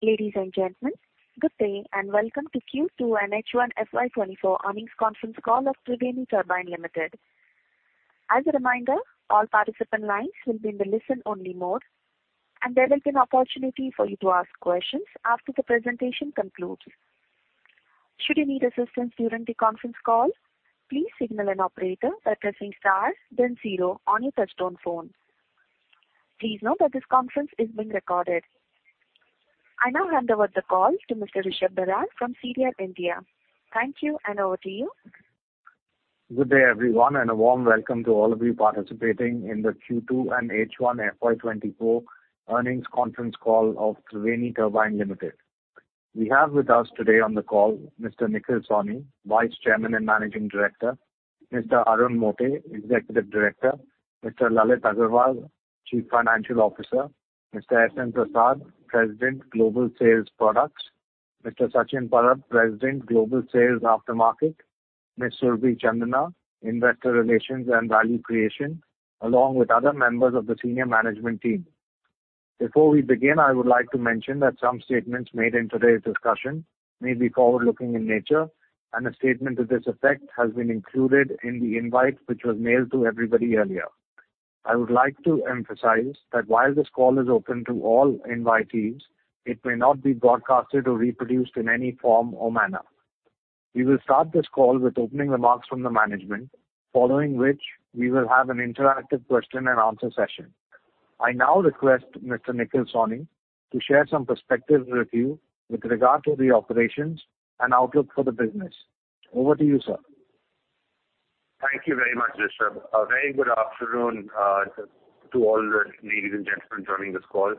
Ladies and gentlemen, good day and welcome to Q2 and H1 FY 2024 Earnings Conference Call of Triveni Turbine Limited. As a reminder, all participant lines will be in the listen-only mode, and there will be an opportunity for you to ask questions after the presentation concludes. Should you need assistance during the conference call, please signal an operator by pressing star, then 0 on your touch-tone phone. Please note that this conference is being recorded. I now hand over the call to Mr. Rishab Barar from CDR India. Thank you, and over to you. Good day everyone, and a warm welcome to all of you participating in the Q2 and H1 FY24 Earnings Conference Call of Triveni Turbine Limited. We have with us today on the call Mr. Nikhil Sawhney, Vice Chairman and Managing Director; Mr. Arun Mote, Executive Director; Mr. Lalit Agarwal, Chief Financial Officer; Mr. S.N. Prasad, President, Global Sales Products; Mr. Sachin Parab, President, Global Sales Aftermarket; Ms. Surabhi Chandna, Investor Relations and Value Creation, along with other members of the senior management team. Before we begin, I would like to mention that some statements made in today's discussion may be forward-looking in nature, and a statement to this effect has been included in the invite which was mailed to everybody earlier. I would like to emphasize that while this call is open to all invitees, it may not be broadcasted or reproduced in any form or manner. We will start this call with opening remarks from the management, following which we will have an interactive question-and-answer session. I now request Mr. Nikhil Sawhney to share some perspective with you with regard to the operations and outlook for the business. Over to you, sir. Thank you very much, Rishab. A very good afternoon to all the ladies and gentlemen joining this call.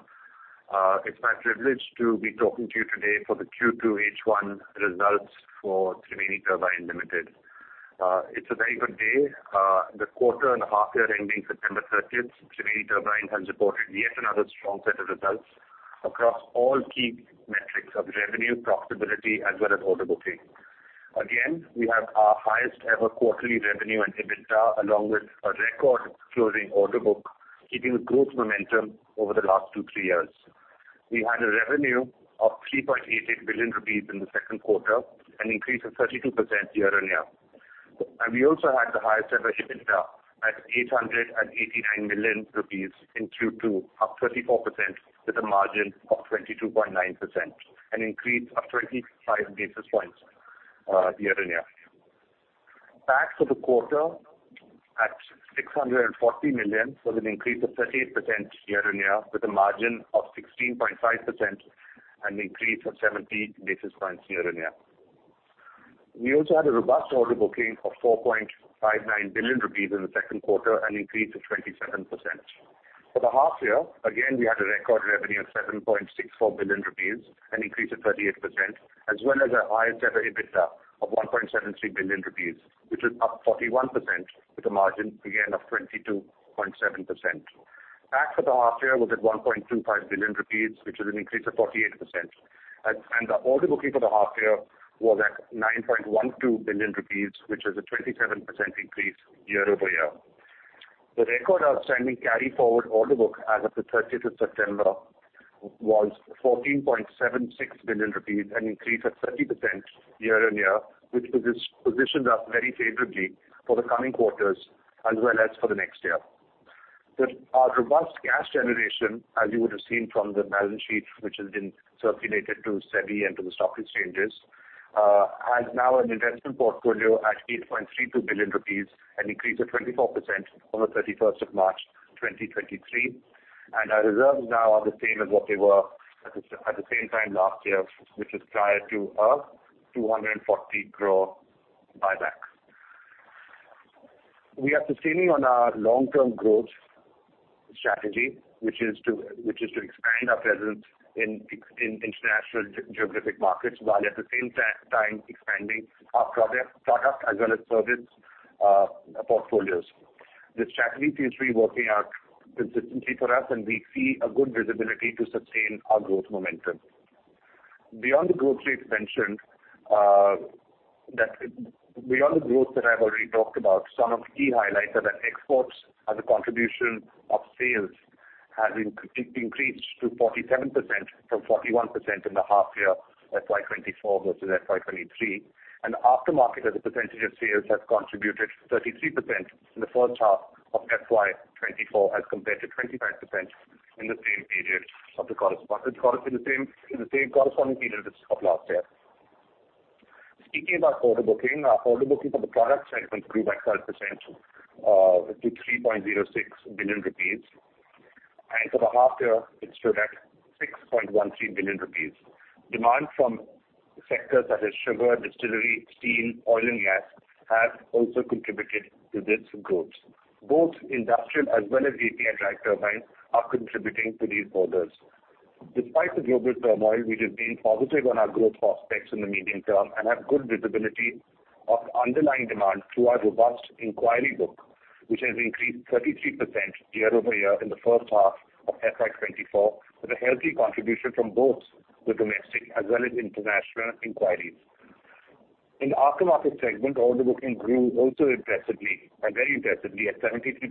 It's my privilege to be talking to you today for the Q2 H1 results for Triveni Turbine Limited. It's a very good day. The quarter and a half year ending 30 September, Triveni Turbine has reported yet another strong set of results across all key metrics of revenue, profitability, as well as order booking. Again, we have our highest-ever quarterly revenue and EBITDA, along with a record closing order book, keeping the growth momentum over the last two, three years. We had a revenue of 3.88 billion rupees in the Q2, an increase of 32% year-on-year. And we also had the highest-ever EBITDA at 889 million rupees in Q2, up 34% with a margin of 22.9%, an increase of 25 basis points year-on-year. PAT to the quarter at 640 million with an increase of 38% year-over-year, with a margin of 16.5%, an increase of 70 basis points year-over-year. We also had a robust order booking of 4.59 billion rupees in the Q2, an increase of 27%. For the half year, again, we had a record revenue of 7.64 billion rupees, an increase of 38%, as well as our highest-ever EBITDA of 1.73 billion rupees, which is up 41% with a margin, again, of 22.7%. PAT for the half year, we're at 1.25 billion rupees, which is an increase of 48%. The order booking for the half year was at 9.12 billion rupees, which is a 27% increase year-over-year. The record outstanding carry-forward order book as of the 30 September was 14.76 billion rupees, an increase of 30% year-on-year, which positions us very favorably for the coming quarters as well as for the next year. Our robust cash generation, as you would have seen from the balance sheet, which has been circulated to SEBI and to the stock exchanges, has now an investment portfolio at 8.32 billion rupees, an increase of 24% on the 31 of March 2023. Our reserves now are the same as what they were at the same time last year, which was prior to our 240 crore buyback. We are sustaining on our long-term growth strategy, which is to expand our presence in international geographic markets while at the same time expanding our product as well as service portfolios. This strategy seems to be working out consistently for us, and we see a good visibility to sustain our growth momentum. Beyond the growth rates mentioned, beyond the growth that I've already talked about, some of the key highlights are that exports as a contribution of sales have increased to 47% from 41% in the half year FY24 versus FY23. Aftermarket as a percentage of sales has contributed 33% in the first half of FY24 as compared to 25% in the same period of the corresponding period of last year. Speaking about order booking, our order booking for the product segment grew by 12% to 3.06 billion rupees. For the half year, it stood at 6.13 billion rupees. Demand from sectors such as sugar, distillery, steam, oil, and gas has also contributed to this growth. Both industrial as well as API drive turbines are contributing to these orders. Despite the global turmoil, we remain positive on our growth prospects in the medium term and have good visibility of underlying demand through our robust inquiry book, which has increased 33% year-over-year in the first half of FY2024 with a healthy contribution from both the domestic as well as international inquiries. In the Aftermarket segment, order booking grew also impressively and very impressively at 73%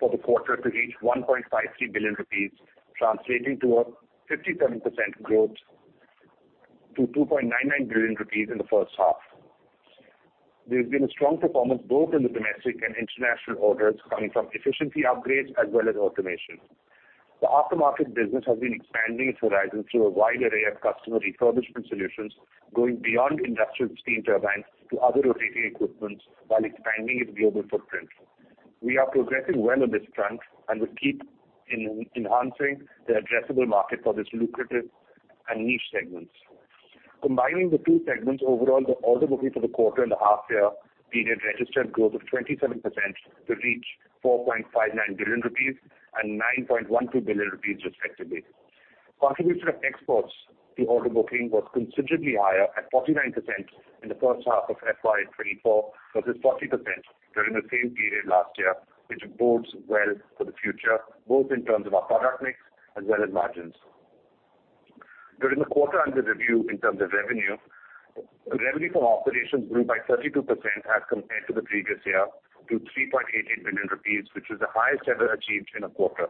for the quarter to reach 1.53 billion rupees, translating to a 57% growth to 2.99 billion rupees in the first half. There's been a strong performance both in the domestic and international orders coming from efficiency upgrades as well as automation. The Aftermarket business has been expanding its horizons through a wide array of customer refurbishment solutions going beyond industrial steam turbines to other rotating equipment while expanding its global footprint. We are progressing well on this front and will keep enhancing the addressable market for these lucrative and niche segments. Combining the two segments, overall, the order booking for the quarter and the half year period registered growth of 27% to reach 4.59 billion rupees and 9.12 billion rupees, respectively. Contribution of exports to order booking was considerably higher at 49% in the first half of FY24 versus 40% during the same period last year, which bodes well for the future both in terms of our product mix as well as margins. During the quarter under review in terms of revenue, revenue from operations grew by 32% as compared to the previous year to 3.88 billion rupees, which is the highest ever achieved in a quarter.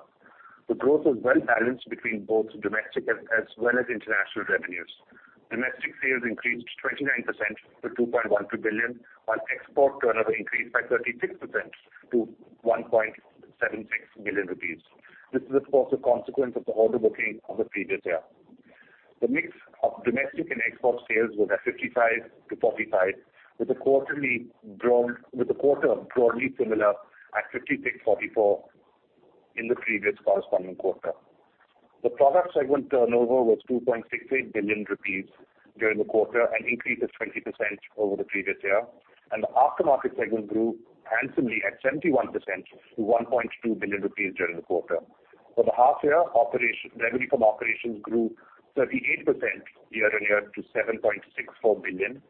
The growth was well balanced between both domestic as well as international revenues. Domestic sales increased 29% to 2.12 billion, while export turnover increased by 36% to 1.76 billion rupees. This is, of course, a consequence of the order booking of the previous year. The mix of domestic and export sales was at 55-45 with a quarter of broadly similar at 56-44 in the previous corresponding quarter. The product segment turnover was 2.68 billion rupees during the quarter and increased at 20% over the previous year. The aftermarket segment grew handsomely at 71% to 1.2 billion rupees during the quarter. For the half year, revenue from operations grew 38% year-on-year to 7.64 billion,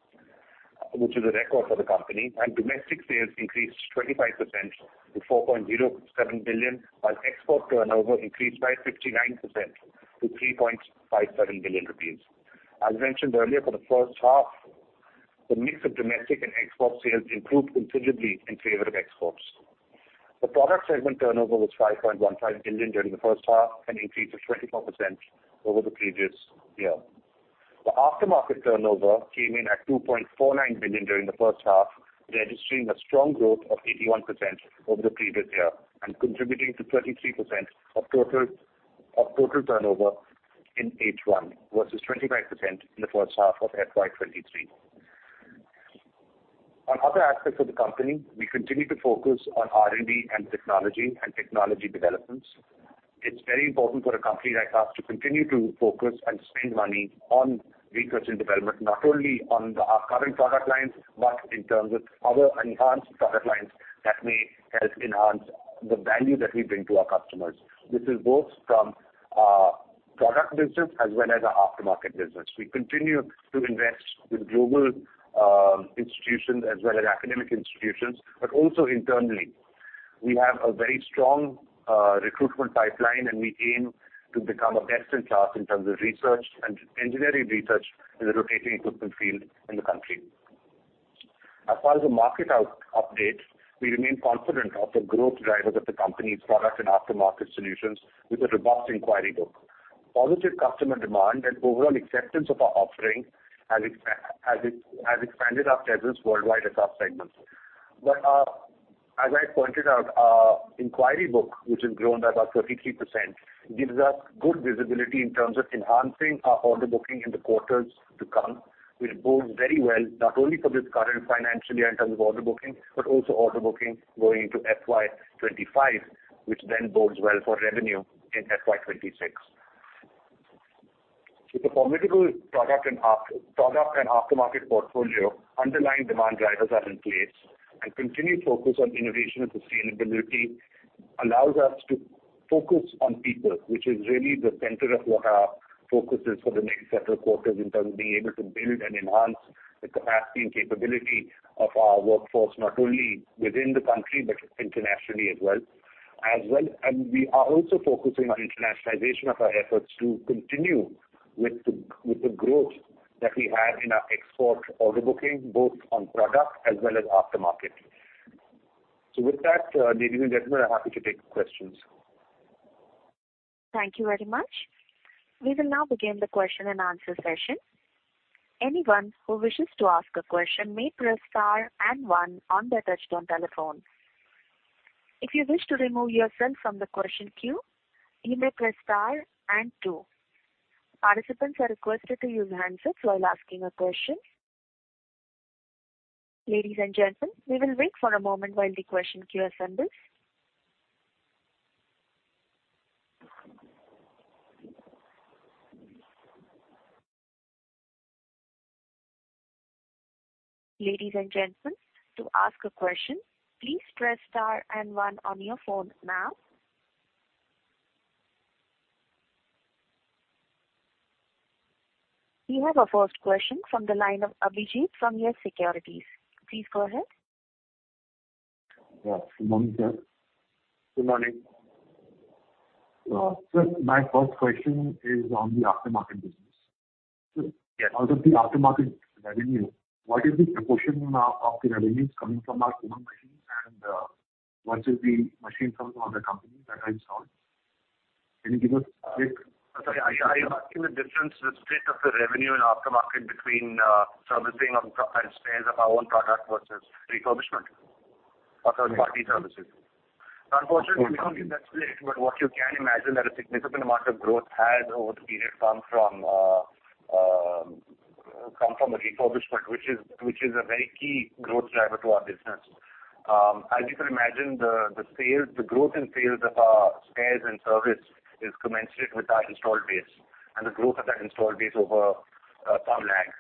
which is a record for the company. Domestic sales increased 25% to 4.07 billion, while export turnover increased by 59% to 3.57 billion rupees. As mentioned earlier, for the first half, the mix of domestic and export sales improved considerably in favor of exports. The product segment turnover was 5.15 billion during the first half and increased to 24% over the previous year. The aftermarket turnover came in at 2.49 billion during the first half, registering a strong growth of 81% over the previous year and contributing to 33% of total turnover in H1 versus 25% in the first half of FY23. On other aspects of the company, we continue to focus on R&D and technology and technology developments. It's very important for a company like us to continue to focus and spend money on research and development, not only on our current product lines but in terms of other enhanced product lines that may help enhance the value that we bring to our customers. This is both from our product business as well as our aftermarket business. We continue to invest with global institutions as well as academic institutions, but also internally. We have a very strong recruitment pipeline, and we aim to become a best-in-class in terms of research and engineering research in the rotating equipment field in the country. As far as the market updates, we remain confident of the growth drivers of the company's product and aftermarket solutions with a robust inquiry book. Positive customer demand and overall acceptance of our offering has expanded our presence worldwide across segments. But as I pointed out, our inquiry book, which has grown by about 33%, gives us good visibility in terms of enhancing our order booking in the quarters to come, which bodes very well not only for this current financial year in terms of order booking but also order booking going into FY25, which then bodes well for revenue in FY26. With a formidable product and aftermarket portfolio, underlying demand drivers are in place, and continued focus on innovation and sustainability allows us to focus on people, which is really the center of what our focus is for the next several quarters in terms of being able to build and enhance the capacity and capability of our workforce not only within the country but internationally as well. We are also focusing on internationalization of our efforts to continue with the growth that we have in our export order booking, both on product as well as aftermarket. With that, ladies and gentlemen, I'm happy to take questions. Thank you very much. We will now begin the question-and-answer session. Anyone who wishes to ask a question may press star and one on their touch-tone telephone. If you wish to remove yourself from the question queue, you may press star and two. Participants are requested to use the handset while asking a question. Ladies and gentlemen, we will wait for a moment while the question queue assembles. Ladies and gentlemen, to ask a question, please press star and one on your phone now. We have a first question from the line of Abhijeet from Yes Securities. Please go ahead. Yes. Good morning, sir. Good morning. Sir, my first question is on the aftermarket business. Out of the aftermarket revenue, what is the proportion of the revenues coming from our own machines versus the machines from other companies that are installed? Can you give us a split? Sorry. Are you asking the difference, the split of the revenue in aftermarket between servicing and sales of our own product versus refurbishment or third-party services? Yes. Unfortunately, we don't get that split, but what you can imagine that a significant amount of growth has over the period come from a refurbishment, which is a very key growth driver to our business. As you can imagine, the growth in sales of our sales and service is commensurate with our installed base, and the growth of that installed base over time lags.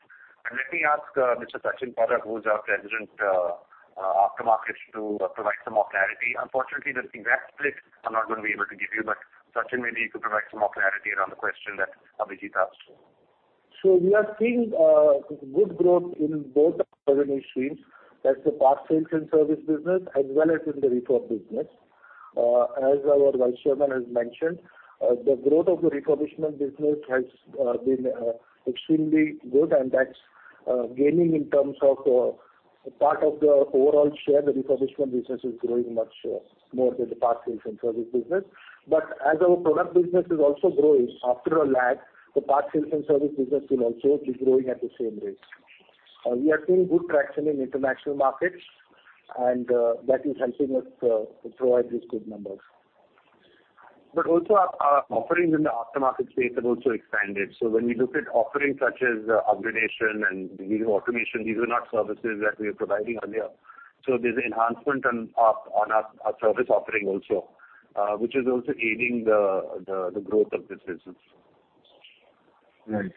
Let me ask Mr. Sachin Parab, who's our president of aftermarket, to provide some more clarity. Unfortunately, the exact split I'm not going to be able to give you, but Sachin, maybe you could provide some more clarity around the question that Abhijeet asked. We are seeing good growth in both of our revenue streams. That's the part sales and service business as well as in the refurb business. As our Vice Chairman has mentioned, the growth of the refurbishment business has been extremely good, and that's gaining in terms of part of the overall share. The refurbishment business is growing much more than the part sales and service business. But as our product business is also growing after a lag, the part sales and service business will also be growing at the same rate. We are seeing good traction in international markets, and that is helping us provide these good numbers. But also, our offerings in the aftermarket space have also expanded. So when you look at offerings such as upgradation and automation, these are not services that we were providing earlier. So there's enhancement on our service offering also, which is also aiding the growth of this business. Right.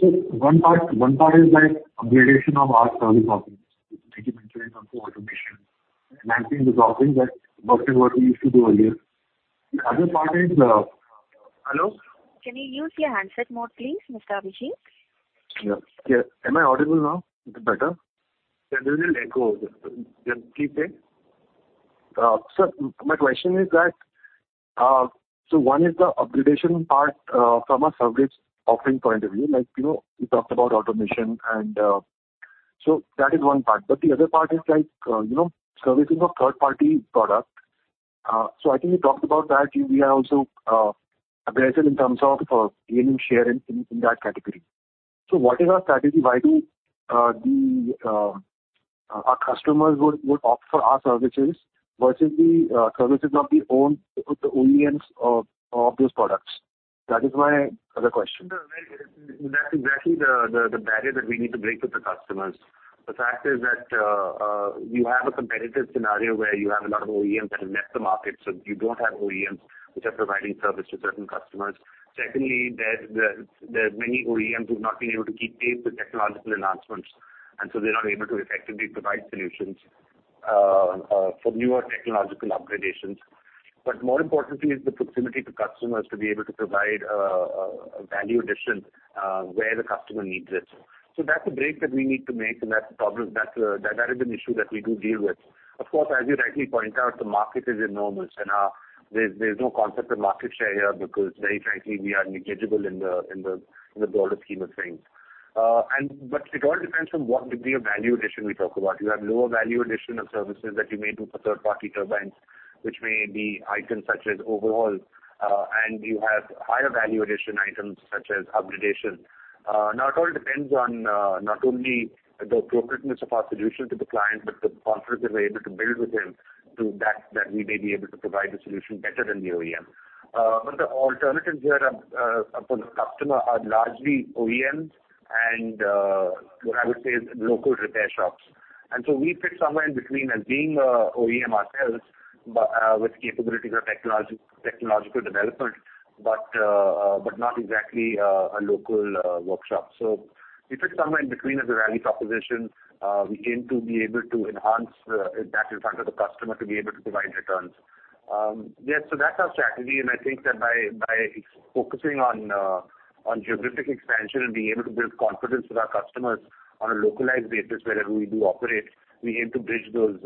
So one part is the upgradation of our service offerings. Making entry into automation. Enhancing those offerings that work in what we used to do earlier. The other part is the. Hello? Can you use your handset mode, please, Mr. Abhijeet? Yeah. Yeah. Am I audible now? Is it better? Yeah. There's a little echo. Just keep saying. Sir, my question is that, so one is the upgradation part from a service offering point of view. We talked about automation, and so that is one part. But the other part is servicing of third-party product. So I think we talked about that. We are also aggressive in terms of gaining share in that category. So what is our strategy? Why do our customers would opt for our services versus the services of the OEMs of those products? That is my other question. Sir, that's exactly the barrier that we need to break with the customers. The fact is that you have a competitive scenario where you have a lot of OEMs that have left the market, so you don't have OEMs which are providing service to certain customers. Secondly, there are many OEMs who have not been able to keep pace with technological enhancements, and so they're not able to effectively provide solutions for newer technological upgradations. But more importantly, it's the proximity to customers to be able to provide a value addition where the customer needs it. So that's a break that we need to make, and that has been an issue that we do deal with. Of course, as you rightly point out, the market is enormous, and there's no concept of market share here because, very frankly, we are negligible in the broader scheme of things. But it all depends on what degree of value addition we talk about. You have lower value addition of services that you may do for third-party turbines, which may be items such as overhaul, and you have higher value addition items such as upgradation. Now, it all depends on not only the appropriateness of our solution to the client but the confidence that we're able to build with him that we may be able to provide the solution better than the OEM. But the alternatives here for the customer are largely OEMs and what I would say is local repair shops. And so we fit somewhere in between as being an OEM ourselves with capabilities of technological development but not exactly a local workshop. So we fit somewhere in between as a value proposition. We aim to be able to enhance that in front of the customer to be able to provide returns. Yeah. So that's our strategy. I think that by focusing on geographic expansion and being able to build confidence with our customers on a localized basis wherever we do operate, we aim to bridge those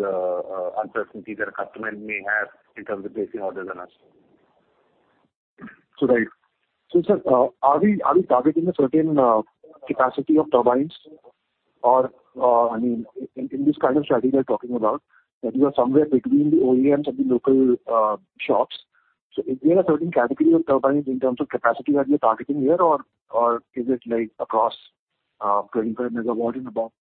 uncertainties that a customer may have in terms of placing orders on us. So right. So, sir, are we targeting a certain capacity of turbines? I mean, in this kind of strategy you're talking about, that you are somewhere between the OEMs and the local shops. So is there a certain category of turbines in terms of capacity that you're targeting here, or is it across 25MW and above?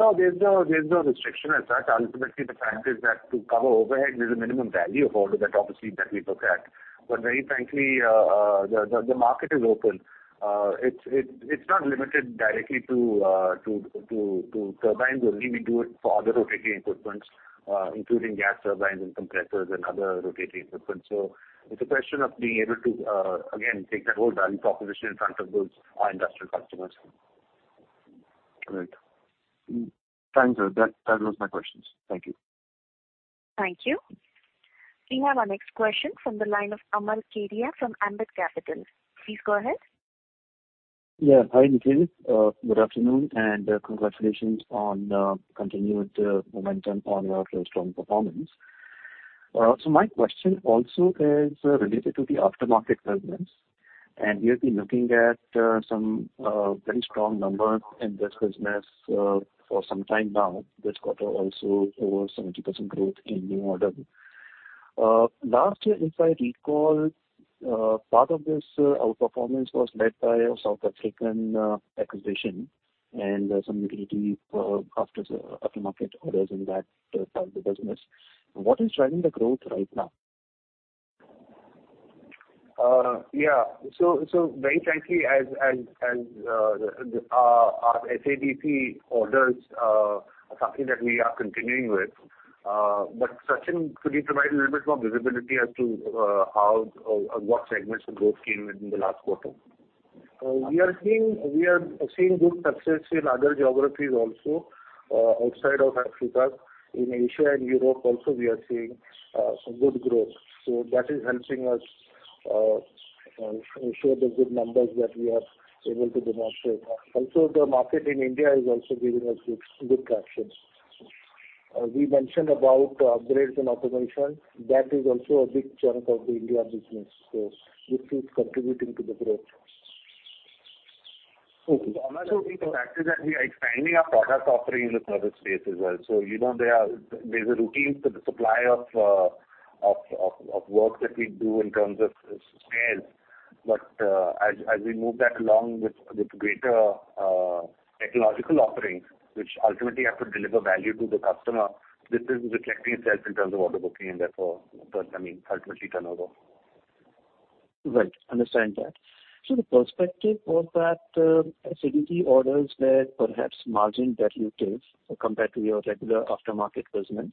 No, there's no restriction at that. Ultimately, the fact is that to cover overhead, there's a minimum value of order that, obviously, we look at. But very frankly, the market is open. It's not limited directly to turbines only. We do it for other rotating equipment, including gas turbines and compressors and other rotating equipment. So it's a question of being able to, again, take that whole value proposition in front of those our industrial customers. Right. Thanks, sir. That was my questions. Thank you. Thank you. We have our next question from the line of Amar Kedia from Ambit Capital. Please go ahead. Yeah. Hi, Nikhil. Good afternoon and congratulations on continued momentum on your strong performance. So my question also is related to the aftermarket business. And we have been looking at some very strong numbers in this business for some time now. This quarter also over 70% growth in new order. Last year, if I recall, part of this outperformance was led by a South African acquisition and some utility aftermarket orders in that part of the business. What is driving the growth right now? Yeah. So very frankly, as our SADC orders are something that we are continuing with. But Sachin, could you provide a little bit more visibility as to what segments of growth came in the last quarter? We are seeing good success in other geographies also outside of Africa. In Asia and Europe also, we are seeing some good growth. So that is helping us show the good numbers that we are able to demonstrate. Also, the market in India is also giving us good traction. We mentioned about upgrades and automation. That is also a big chunk of the India business. So this is contributing to the growth. Okay. So Amal, I think the fact is that we are expanding our product offering in the service space as well. So there's a routine supply of work that we do in terms of sales. But as we move that along with greater technological offerings, which ultimately have to deliver value to the customer, this is reflecting itself in terms of order booking and, therefore, I mean, ultimately turnover. Right. Understand that. So the perspective was that SADC orders led perhaps margin-dilutive compared to your regular aftermarket business.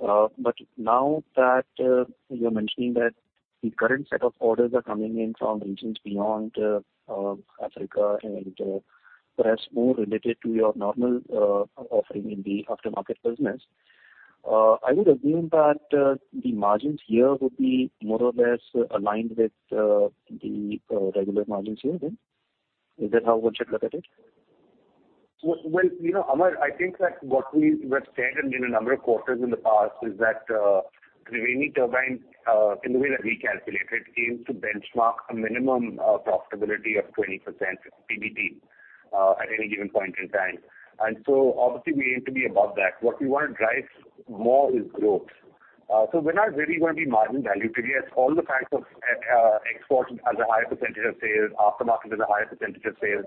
But now that you're mentioning that the current set of orders are coming in from regions beyond Africa and perhaps more related to your normal offering in the aftermarket business, I would assume that the margins here would be more or less aligned with the regular margins here, then? Is that how one should look at it? Well, Amal, I think that what we've said in a number of quarters in the past is that Triveni Turbine, in the way that we calculate it, aims to benchmark a minimum profitability of 20% PBT at any given point in time. And so, obviously, we aim to be above that. What we want to drive more is growth. So we're not really going to be margin-dilutive. Yes, all the facts of export as a higher percentage of sales, aftermarket as a higher percentage of sales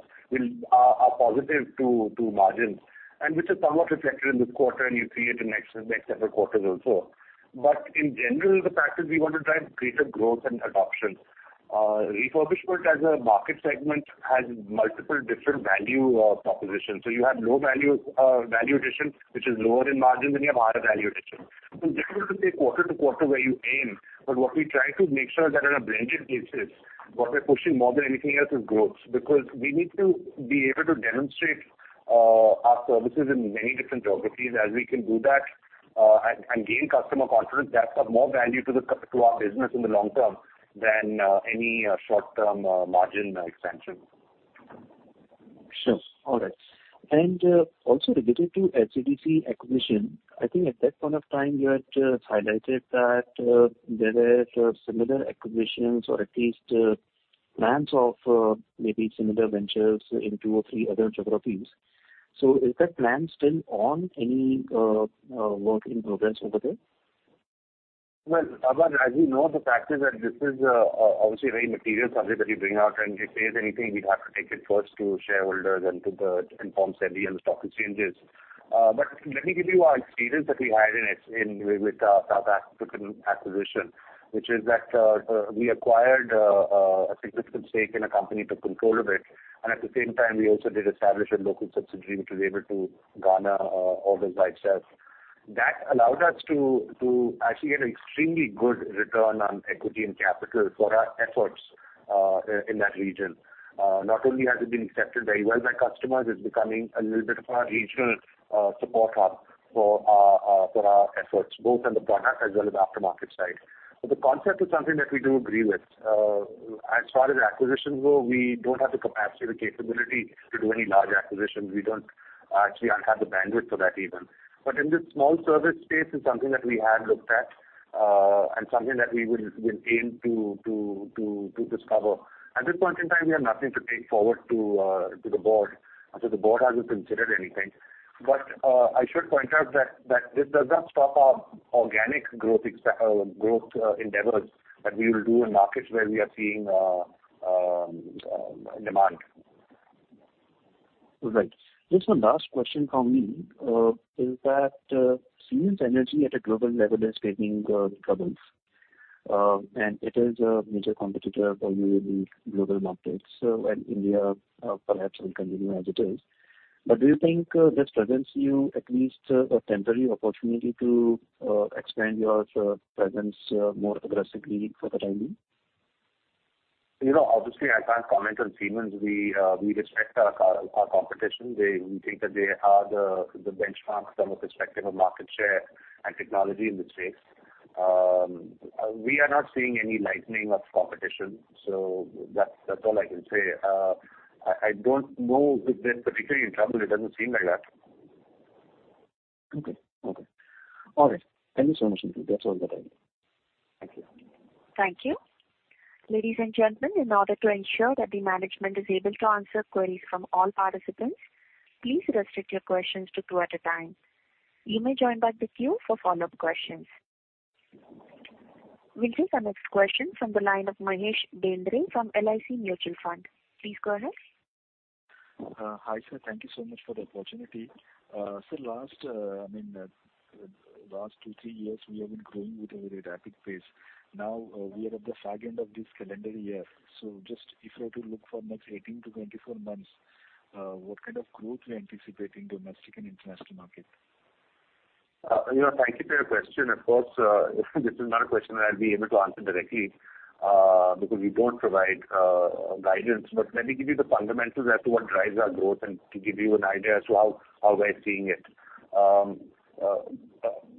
are positive to margins, and which is somewhat reflected in this quarter, and you see it in the next several quarters also. But in general, the fact is we want to drive greater growth and adoption. Refurbishment as a market segment has multiple different value propositions. So you have low value addition, which is lower in margins, and you have higher value addition. It's difficult to say quarter to quarter where you aim, but what we try to make sure that on a blended basis, what we're pushing more than anything else is growth because we need to be able to demonstrate our services in many different geographies. As we can do that and gain customer confidence, that's of more value to our business in the long term than any short-term margin expansion. Sure. All right. And also related to SADC acquisition, I think at that point of time, you had highlighted that there were similar acquisitions or at least plans of maybe similar ventures in two or three other geographies. So is that plan still on, any work in progress over there? Well, Amal, as you know, the fact is that this is, obviously, a very material subject that you bring out, and if there's anything, we'd have to take it first to shareholders and to inform SEBI and the stock exchanges. But let me give you our experience that we had with our South African acquisition, which is that we acquired a significant stake in a company to control a bit. And at the same time, we also did establish a local subsidiary which was able to garner orders by itself. That allowed us to actually get an extremely good return on equity and capital for our efforts in that region. Not only has it been accepted very well by customers, it's becoming a little bit of our regional support hub for our efforts, both on the product as well as the aftermarket side. The concept is something that we do agree with. As far as acquisitions go, we don't have the capacity or the capability to do any large acquisitions. We don't actually have the bandwidth for that even. In this small service space, it's something that we have looked at and something that we will aim to discover. At this point in time, we have nothing to take forward to the board. The board hasn't considered anything. I should point out that this does not stop our organic growth endeavors that we will do in markets where we are seeing demand. Right. Just one last question from me is that Siemens Energy at a global level is facing troubles, and it is a major competitor for you in the global markets. India perhaps will continue as it is. But do you think this presents you at least a temporary opportunity to expand your presence more aggressively for the time being? Obviously, I can't comment on Siemens. We respect our competition. We think that they are the benchmark from a perspective of market share and technology in this space. We are not seeing any lightening of competition. So that's all I can say. I don't know if they're particularly in trouble. It doesn't seem like that. Okay. Okay. All right. Thank you so much, Nikhil. That's all that I need. Thank you. Thank you. Ladies and gentlemen, in order to ensure that the management is able to answer queries from all participants, please restrict your questions to two at a time. You may join back the queue for follow-up questions. We'll take our next question from the line of Mahesh Bendre from LIC Mutual Fund. Please go ahead. Hi, sir. Thank you so much for the opportunity. Sir, I mean, the last two to three years, we have been growing with a very rapid pace. Now, we are at the far end of this calendar year. So just if you were to look for the next 18-24 months, what kind of growth are you anticipating in the domestic and international market? Thank you for your question. Of course, this is not a question that I'll be able to answer directly because we don't provide guidance. But let me give you the fundamentals as to what drives our growth and to give you an idea as to how we're seeing it.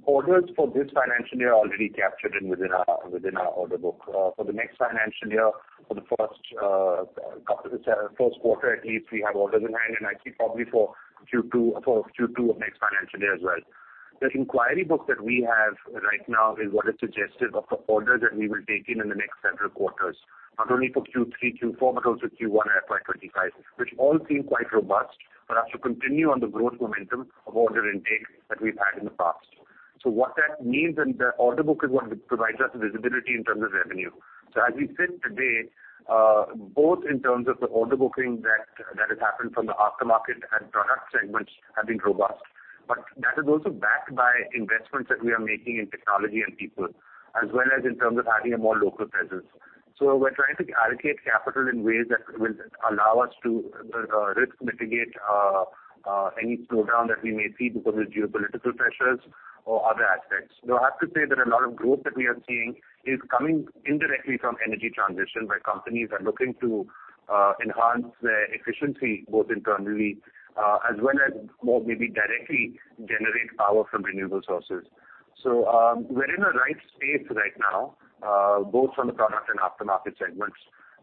Orders for this financial year are already captured within our order book. For the next financial year, for the Q1 at least, we have orders in hand, and I think probably for Q2 of next financial year as well. The inquiry book that we have right now is what is suggestive of the orders that we will take in in the next several quarters, not only for Q3, Q4, but also Q1 and FY25, which all seem quite robust for us to continue on the growth momentum of order intake that we've had in the past. What that means in the order book is what provides us visibility in terms of revenue. As we sit today, both in terms of the order booking that has happened from the aftermarket and product segments have been robust. But that is also backed by investments that we are making in technology and people as well as in terms of having a more local presence. We're trying to allocate capital in ways that will allow us to risk mitigate any slowdown that we may see because of geopolitical pressures or other aspects. Though I have to say that a lot of growth that we are seeing is coming indirectly from energy transition where companies are looking to enhance their efficiency both internally as well as maybe directly generate power from renewable sources. We're in the right space right now both from the product and aftermarket segments.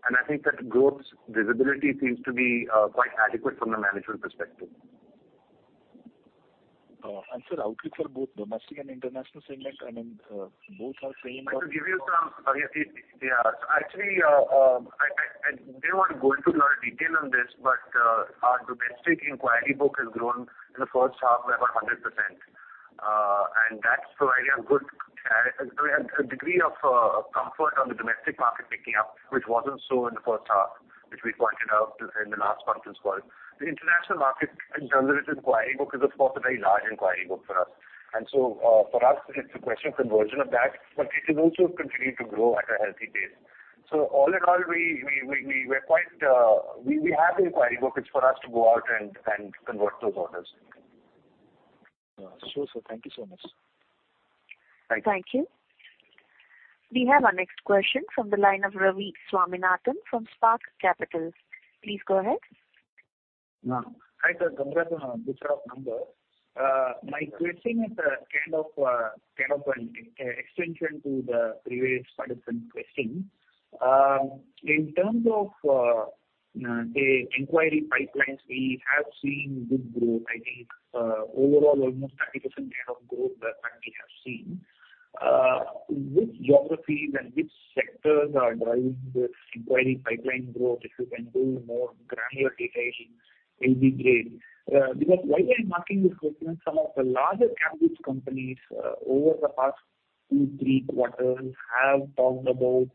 I think that growth visibility seems to be quite adequate from the management perspective. Sir, outlook for both domestic and international segment, I mean, both are saying that. I have to give you some. So actually, I didn't want to go into a lot of detail on this, but our domestic Inquiry Book has grown in the first half by about 100%. And that's providing a good degree of comfort on the domestic market picking up, which wasn't so in the first half, which we pointed out in the last conference call. The international market in terms of its Inquiry Book is, of course, a very large Inquiry Book for us. And so for us, it's a question of conversion of that, but it is also continuing to grow at a healthy pace. So all in all, we are quite we have the Inquiry Book. It's for us to go out and convert those orders. Sure, sir. Thank you so much. Thank you. Thank you. We have our next question from the line of Ravi Swaminathan from Spark Capital. Please go ahead. Hi, sir. Congrats on the set of numbers. My question is a kind of an extension to the previous participant's question. In terms of the inquiry pipelines, we have seen good growth. I think overall, almost 30% kind of growth that we have seen. Which geographies and which sectors are driving this inquiry pipeline growth? If you can go into more granular detail, it'd be great. Because while we are marking this question, some of the larger large-cap companies over the past two, three quarters have talked about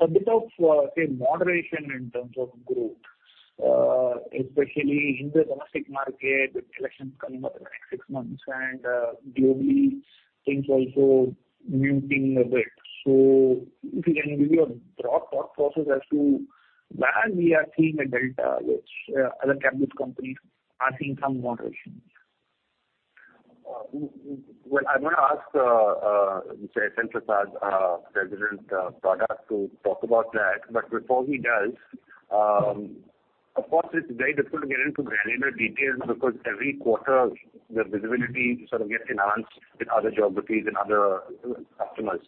a bit of, say, moderation in terms of growth, especially in the domestic market with elections coming up in the next six months and globally things also muting a bit. So if you can give your broad thought process as to where we are seeing a delta, which other large-cap companies are seeing some moderation. Well, I want to ask Mr. S.N. Prasad, President Prasad, to talk about that. But before he does, of course, it's very difficult to get into granular details because every quarter, the visibility sort of gets enhanced with other geographies and other customers.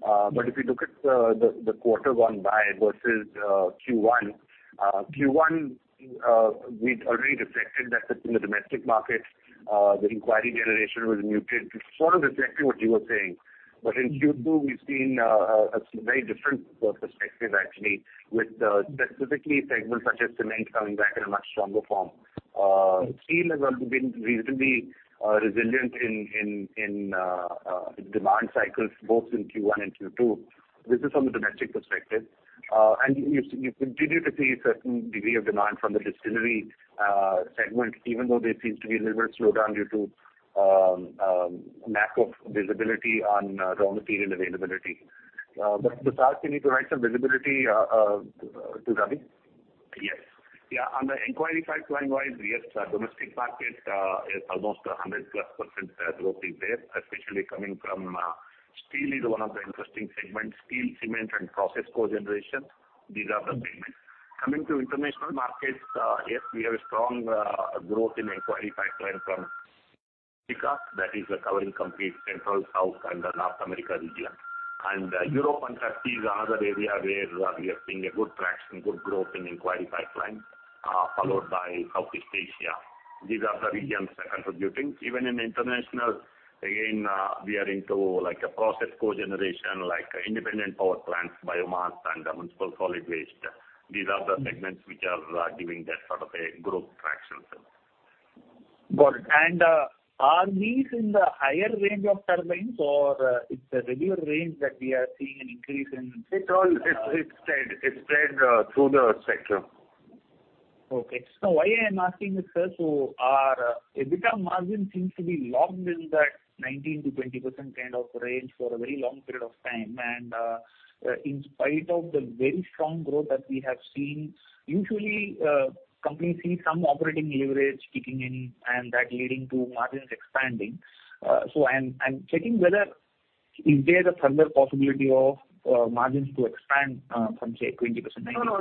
But if you look at the quarter gone by versus Q1, Q1, we'd already reflected that in the domestic market, the inquiry generation was muted, sort of reflecting what you were saying. But in Q2, we've seen a very different perspective, actually, with specifically segments such as cement coming back in a much stronger form. Steel has also been reasonably resilient in demand cycles, both in Q1 and Q2. This is from the domestic perspective. You continue to see a certain degree of demand from the distillery segment, even though there seems to be a little bit of slowdown due to lack of visibility on raw material availability. Prasad, can you provide some visibility to Ravi? Yes. Yeah. On the inquiry pipeline-wise, yes, domestic market is almost 100+% growth is there, especially coming from steel. It's one of the interesting segments. Steel, cement, and process co-generation, these are the segments. Coming to international markets, yes, we have a strong growth in inquiry pipeline from Africa. That is covering complete Central, South, and North America region. And Europe and Turkey is another area where we are seeing a good traction, good growth in inquiry pipeline, followed by Southeast Asia. These are the regions contributing. Even in international, again, we are into a process co-generation, independent power plants, biomass, and municipal solid waste. These are the segments which are giving that sort of a growth traction, sir. Got it. Are these in the higher range of turbines, or it's a regular range that we are seeing an increase in? It's spread. It's spread through the sector. Okay. Now, why I am asking this, sir, so our EBITDA margin seems to be locked in that 19%-20% kind of range for a very long period of time. In spite of the very strong growth that we have seen, usually, companies see some operating leverage kicking in and that leading to margins expanding. I'm checking whether is there the further possibility of margins to expand from, say, 20%, 90%? No, no.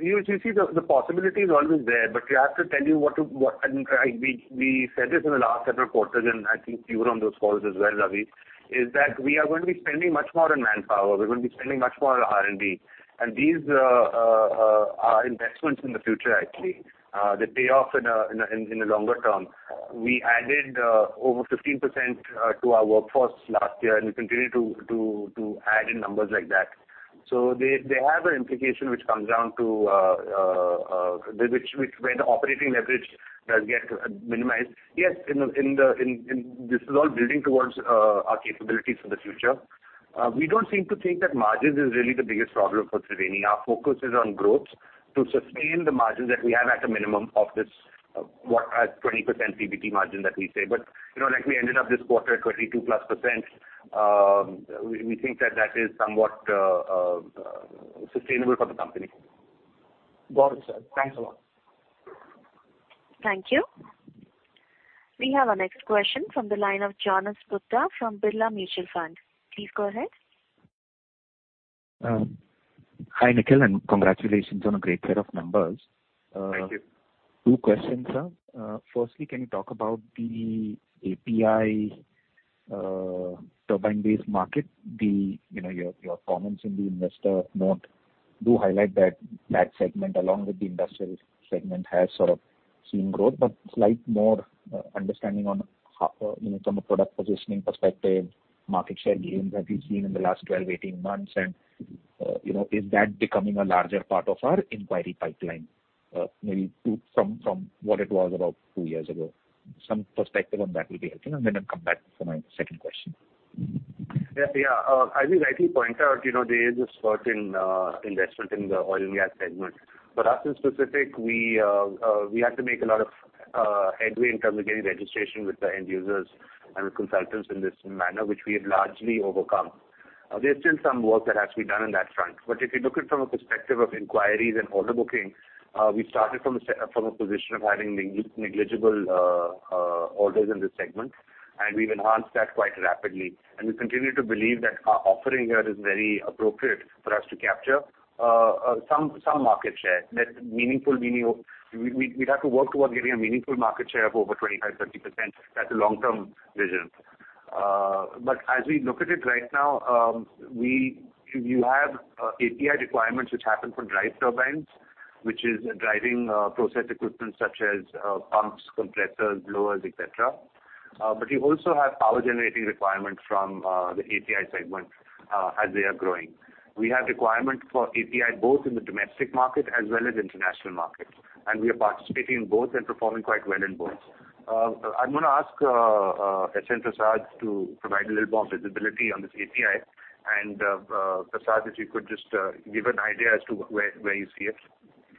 You see, the possibility is always there, but you have to tell you what we said this in the last several quarters, and I think you were on those calls as well, Ravi, is that we are going to be spending much more on manpower. We're going to be spending much more on R&D. And these are investments in the future, actually, that pay off in the longer term. We added over 15% to our workforce last year, and we continue to add in numbers like that. So they have an implication which comes down to where the operating leverage does get minimized. Yes, this is all building towards our capabilities for the future. We don't seem to think that margins is really the biggest problem for Triveni. Our focus is on growth to sustain the margins that we have at a minimum of this 20% PBT margin that we say. But we ended up this quarter at 22+%. We think that that is somewhat sustainable for the company. Got it, sir. Thanks a lot. Thank you. We have our next question from the line of Jonas Bhutta from Birla Mutual Fund. Please go ahead. Hi, Nikhil. Congratulations on a great set of numbers. Thank you. Two questions, sir. Firstly, can you talk about the API turbine-based market? Your comments in the investor note do highlight that that segment, along with the industrial segment, has sort of seen growth, but slight more understanding from a product positioning perspective, market share gains that we've seen in the last 12, 18 months. And is that becoming a larger part of our inquiry pipeline, maybe from what it was about two years ago? Some perspective on that will be helping. And then I'll come back for my second question. Yeah. As you rightly point out, there is a spurt in investment in the oil and gas segment. For us in specific, we had to make a lot of headway in terms of getting registration with the end users and with consultants in this manner, which we had largely overcome. There's still some work that has to be done on that front. But if you look at it from a perspective of inquiries and order booking, we started from a position of having negligible orders in this segment. And we've enhanced that quite rapidly. And we continue to believe that our offering here is very appropriate for us to capture some market share. Meaningful, meaning we'd have to work towards getting a meaningful market share of over 25%-30%. That's a long-term vision. But as we look at it right now, you have API requirements which happen for drive turbines, which is driving process equipment such as pumps, compressors, blowers, etc. But you also have power-generating requirements from the API segment as they are growing. We have requirements for API both in the domestic market as well as international markets. And we are participating in both and performing quite well in both. I'm going to ask Sachin to provide a little more visibility on this API. And Prasad, if you could just give an idea as to where you see it.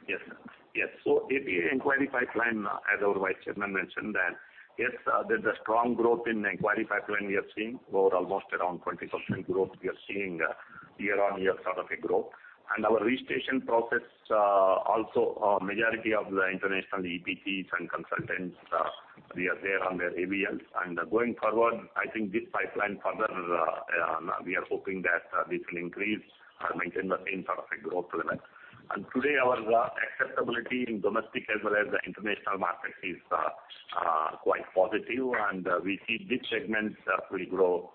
Yes, sir. Yes. So API inquiry pipeline, as our vice chairman mentioned, that yes, there's a strong growth in the inquiry pipeline we have seen or almost around 20% growth we are seeing year-on-year sort of a growth. And our registration process also, majority of the international EPCs and consultants, they are there on their AVLs. And going forward, I think this pipeline further, we are hoping that this will increase or maintain the same sort of a growth level. And today, our acceptability in domestic as well as the international markets is quite positive. And we see this segment will grow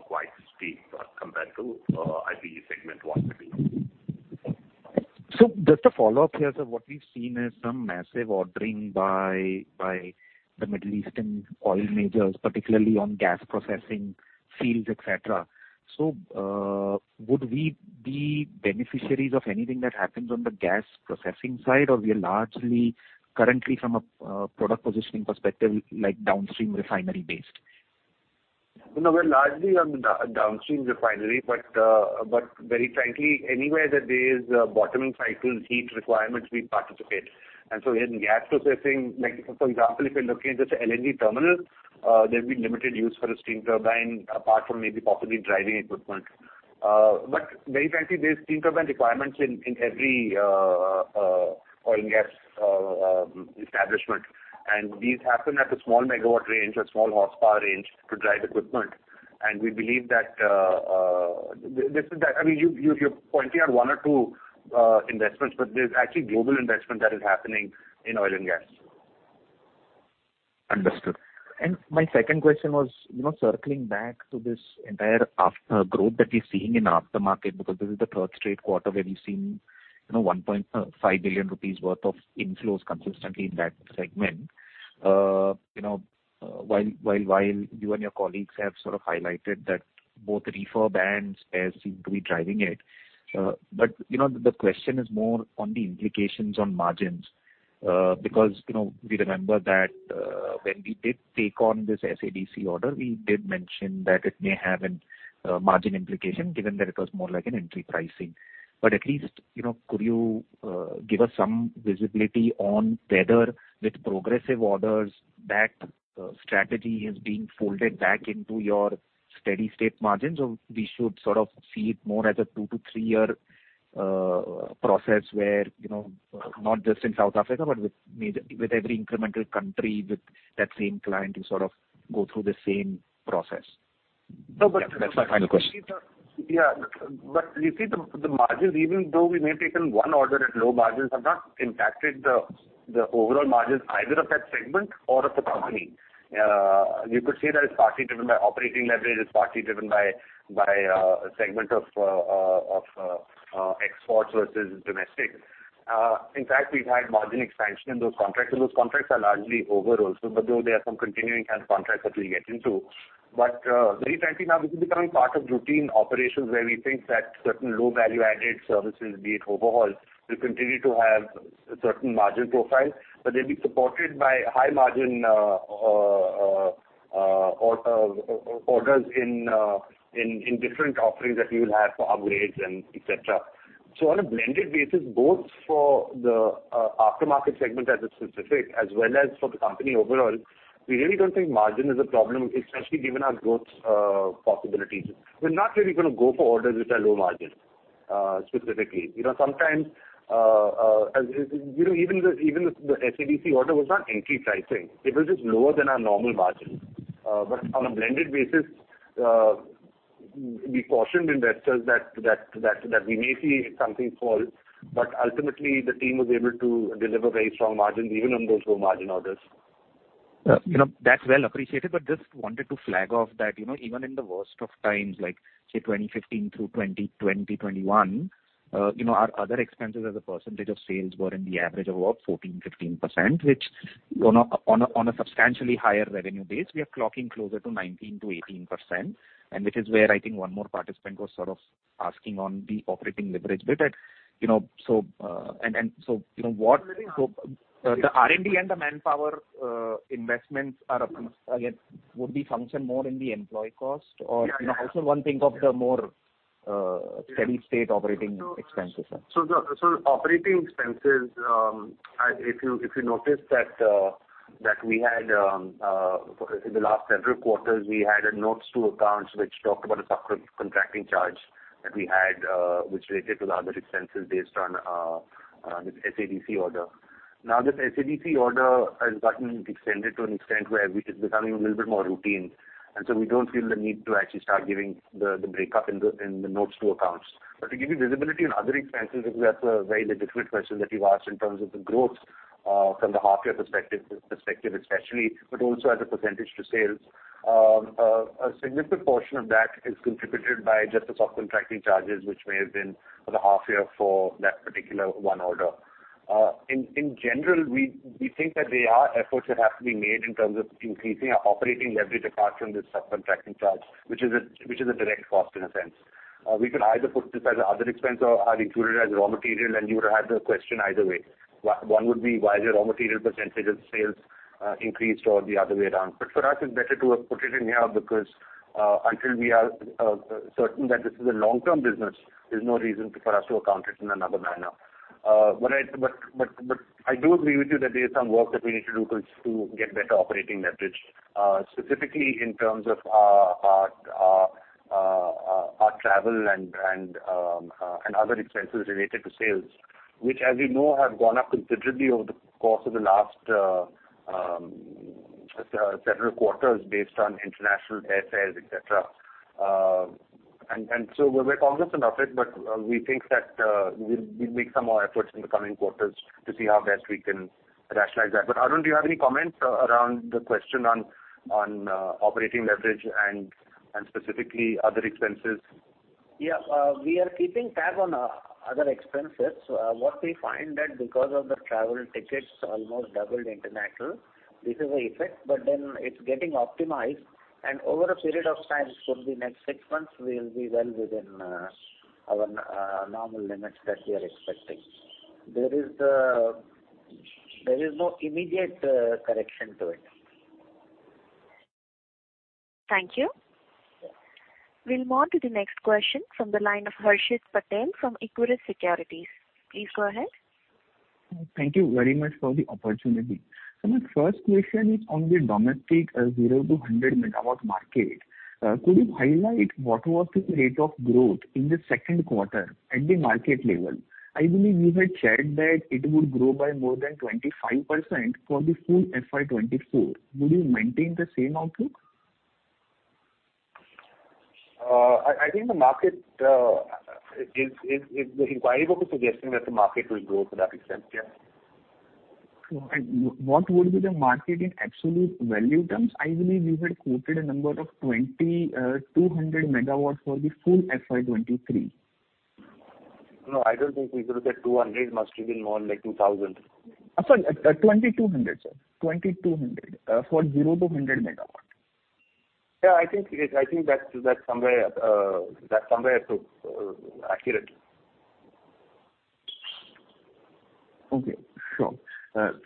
quite steep compared to IPP segment 130. Just a follow-up here, sir. What we've seen is some massive ordering by the Middle Eastern oil majors, particularly on gas processing, fields, etc. So would we be beneficiaries of anything that happens on the gas processing side, or we are largely currently from a product positioning perspective, downstream refinery-based? We're largely on the downstream refinery. But very frankly, anywhere that there is bottoming cycle, heat requirements, we participate. And so in gas processing, for example, if you're looking at just an LNG terminal, there'd be limited use for a steam turbine apart from maybe properly driving equipment. But very frankly, there's steam turbine requirements in every oil and gas establishment. And these happen at a small MW range, a small horsepower range to drive equipment. And we believe that this is that. I mean, you're pointing out one or two investments, but there's actually global investment that is happening in oil and gas. Understood. My second question was circling back to this entire growth that we're seeing in the aftermarket because this is the third straight quarter where we've seen 1.5 billion rupees worth of inflows consistently in that segment, while you and your colleagues have sort of highlighted that both revenue bands seem to be driving it. The question is more on the implications on margins because we remember that when we did take on this SADC order, we did mention that it may have a margin implication given that it was more like an entry pricing. But at least, could you give us some visibility on whether, with progressive orders, that strategy is being folded back into your steady state margins, or we should sort of see it more as a two to three year process where not just in South Africa, but with every incremental country with that same client, you sort of go through the same process? That's my final question. Yeah. But you see, the margins, even though we may have taken one order at low margins, have not impacted the overall margins either of that segment or of the company. You could say that it's partly driven by operating leverage. It's partly driven by a segment of exports versus domestic. In fact, we've had margin expansion in those contracts. And those contracts are largely over also, but though there are some continuing kind of contracts that we'll get into. But very frankly, now, this is becoming part of routine operations where we think that certain low-value-added services, be it overhauls, will continue to have a certain margin profile. But they'll be supported by high-margin orders in different offerings that we will have for upgrades, etc. So on a blended basis, both for the aftermarket segment as specific as well as for the company overall, we really don't think margin is a problem, especially given our growth possibilities. We're not really going to go for orders which are low-margin specifically. Sometimes, even the SADC order was not entry pricing. It was just lower than our normal margins. But on a blended basis, we cautioned investors that we may see something fall. But ultimately, the team was able to deliver very strong margins even on those low-margin orders. That's well appreciated. But just wanted to flag off that even in the worst of times, say, 2015 through 2020, 2021, our other expenses as a percentage of sales were in the average of about 14%-15%, which on a substantially higher revenue base, we are clocking closer to 19%-18%, and which is where, I think, one more participant was sort of asking on the operating leverage bit. And so what? So the R&D and the manpower investments, again, would we function more in the employee cost, or how should one think of the more steady state operating expenses, sir? So operating expenses, if you notice that we had in the last several quarters, we had notes to accounts which talked about a subcontracting charge that we had which related to the other expenses based on this SADC order. Now, this SADC order has gotten extended to an extent where it's becoming a little bit more routine. And so we don't feel the need to actually start giving the breakup in the notes to accounts. But to give you visibility on other expenses, because that's a very legitimate question that you've asked in terms of the growth from the half-year perspective, especially, but also as a percentage to sales, a significant portion of that is contributed by just the subcontracting charges which may have been for the half-year for that particular one order. In general, we think that there are efforts that have to be made in terms of increasing our operating leverage apart from this subcontracting charge, which is a direct cost in a sense. We could either put this as another expense or have included it as raw material, and you would have had the question either way. One would be, why is the raw material percentage of sales increased or the other way around? But for us, it's better to put it in here because until we are certain that this is a long-term business, there's no reason for us to account it in another manner. But I do agree with you that there is some work that we need to do to get better operating leverage, specifically in terms of our travel and other expenses related to sales, which, as you know, have gone up considerably over the course of the last several quarters based on international airfares, etc. And so we're cognizant of it, but we think that we'd make some more efforts in the coming quarters to see how best we can rationalize that. But Arun, do you have any comments around the question on operating leverage and specifically other expenses? Yeah. We are keeping tabs on other expenses. What we find that because of the travel tickets almost doubled international, this is an effect. But then it's getting optimized. And over a period of time, for the next six months, we'll be well within our normal limits that we are expecting. There is no immediate correction to it. Thank you. We'll move on to the next question from the line of Harshit Patel from Equirus Securities. Please go ahead. Thank you very much for the opportunity. My first question is on the domestic 0-100MW market. Could you highlight what was the rate of growth in the Q2 at the market level? I believe you had shared that it would grow by more than 25% for the full FY2024. Would you maintain the same outlook? I think the market is the Inquiry Book is suggesting that the market will grow to that extent. Yes. What would be the market in absolute value terms? I believe you had quoted a number of 200 MW for the full FY23. No, I don't think we could have said 200. It must have been more like 2,000. Sorry. 2,200, sir. 2,200 for 0-100 MW. Yeah. I think that's somewhere accurate. Okay. Sure. Sir,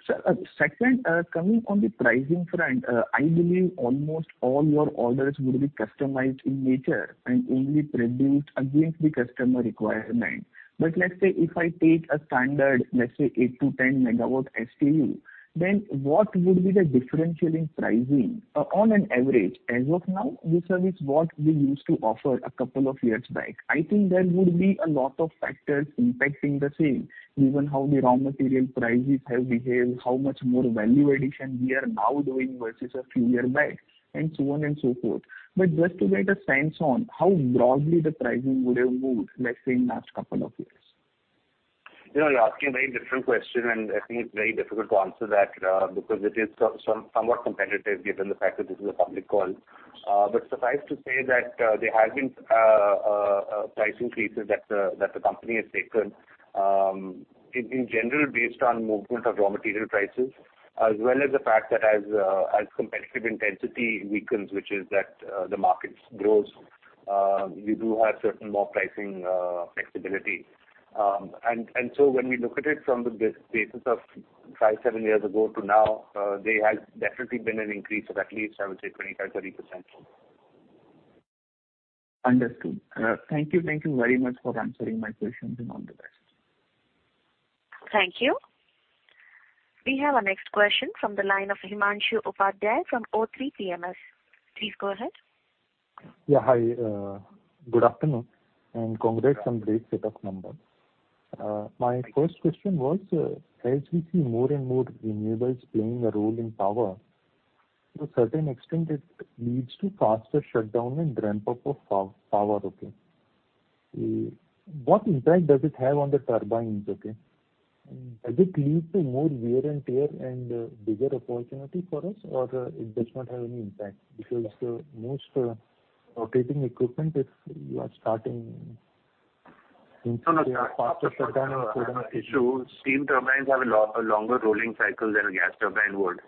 second, coming on the pricing front, I believe almost all your orders would be customized in nature and only produced against the customer requirement. But let's say if I take a standard, let's say, 8-10 MW SKU, then what would be the differential in pricing on an average as of now, whichever is what we used to offer a couple of years back? I think there would be a lot of factors impacting the sale, given how the raw material prices have behaved, how much more value addition we are now doing versus a few years back, and so on and so forth. But just to get a sense on how broadly the pricing would have moved, let's say, in the last couple of years. You're asking a very different question. I think it's very difficult to answer that because it is somewhat competitive given the fact that this is a public call. Suffice to say that there have been pricing pieces that the company has taken, in general, based on movement of raw material prices, as well as the fact that as competitive intensity weakens, which is that the market grows, you do have certain more pricing flexibility. So when we look at it from the basis of five to seven years ago to now, there has definitely been an increase of at least, I would say, 25%-30%. Understood. Thank you. Thank you very much for answering my questions. And all the best. Thank you. We have a next question from the line of Himanshu Upadhyay from o3 PMS. Please go ahead. Yeah. Hi. Good afternoon. Congrats on the great set of numbers. My first question was, as we see more and more renewables playing a role in power, to a certain extent, it leads to faster shutdown and ramp-up of power, okay? What impact does it have on the turbines, okay? Does it lead to more wear and tear and bigger opportunity for us, or it does not have any impact because most rotating equipment, if you are starting into a faster shutdown and so on? So steam turbines have a longer rolling cycle than a gas turbine would.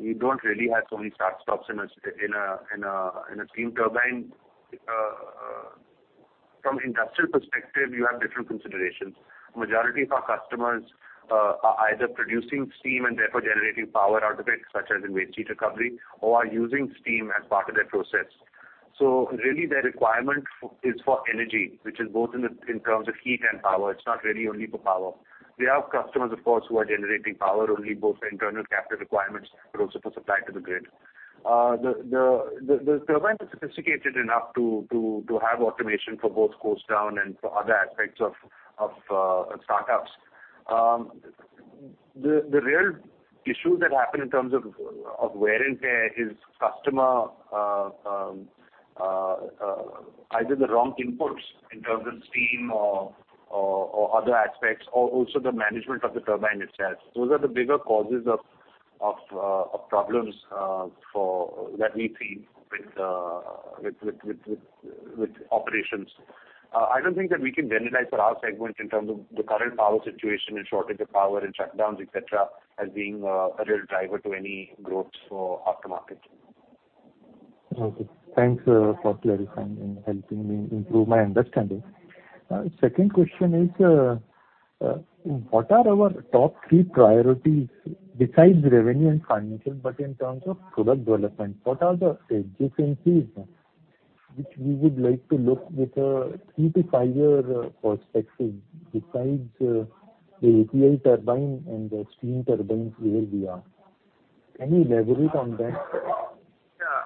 You don't really have so many start-stops in a steam turbine. From an industrial perspective, you have different considerations. The majority of our customers are either producing steam and therefore generating power out of it, such as in waste heat recovery, or are using steam as part of their process. So really, their requirement is for energy, which is both in terms of heat and power. It's not really only for power. We have customers, of course, who are generating power only both for internal capital requirements but also for supply to the grid. The turbine is sophisticated enough to have automation for both cost down and for other aspects of startups. The real issue that happened in terms of wear and tear is either the wrong inputs in terms of steam or other aspects or also the management of the turbine itself. Those are the bigger causes of problems that we see with operations. I don't think that we can generalize for our segment in terms of the current power situation and shortage of power and shutdowns, etc., as being a real driver to any growth for aftermarket. Okay. Thanks for clarifying and helping me improve my understanding. Second question is, what are our top three priorities besides revenue and financial but in terms of product development? What are the adjacencies which we would like to look with a three to five year perspective besides the API turbine and the steam turbines where we are? Can you elaborate on that?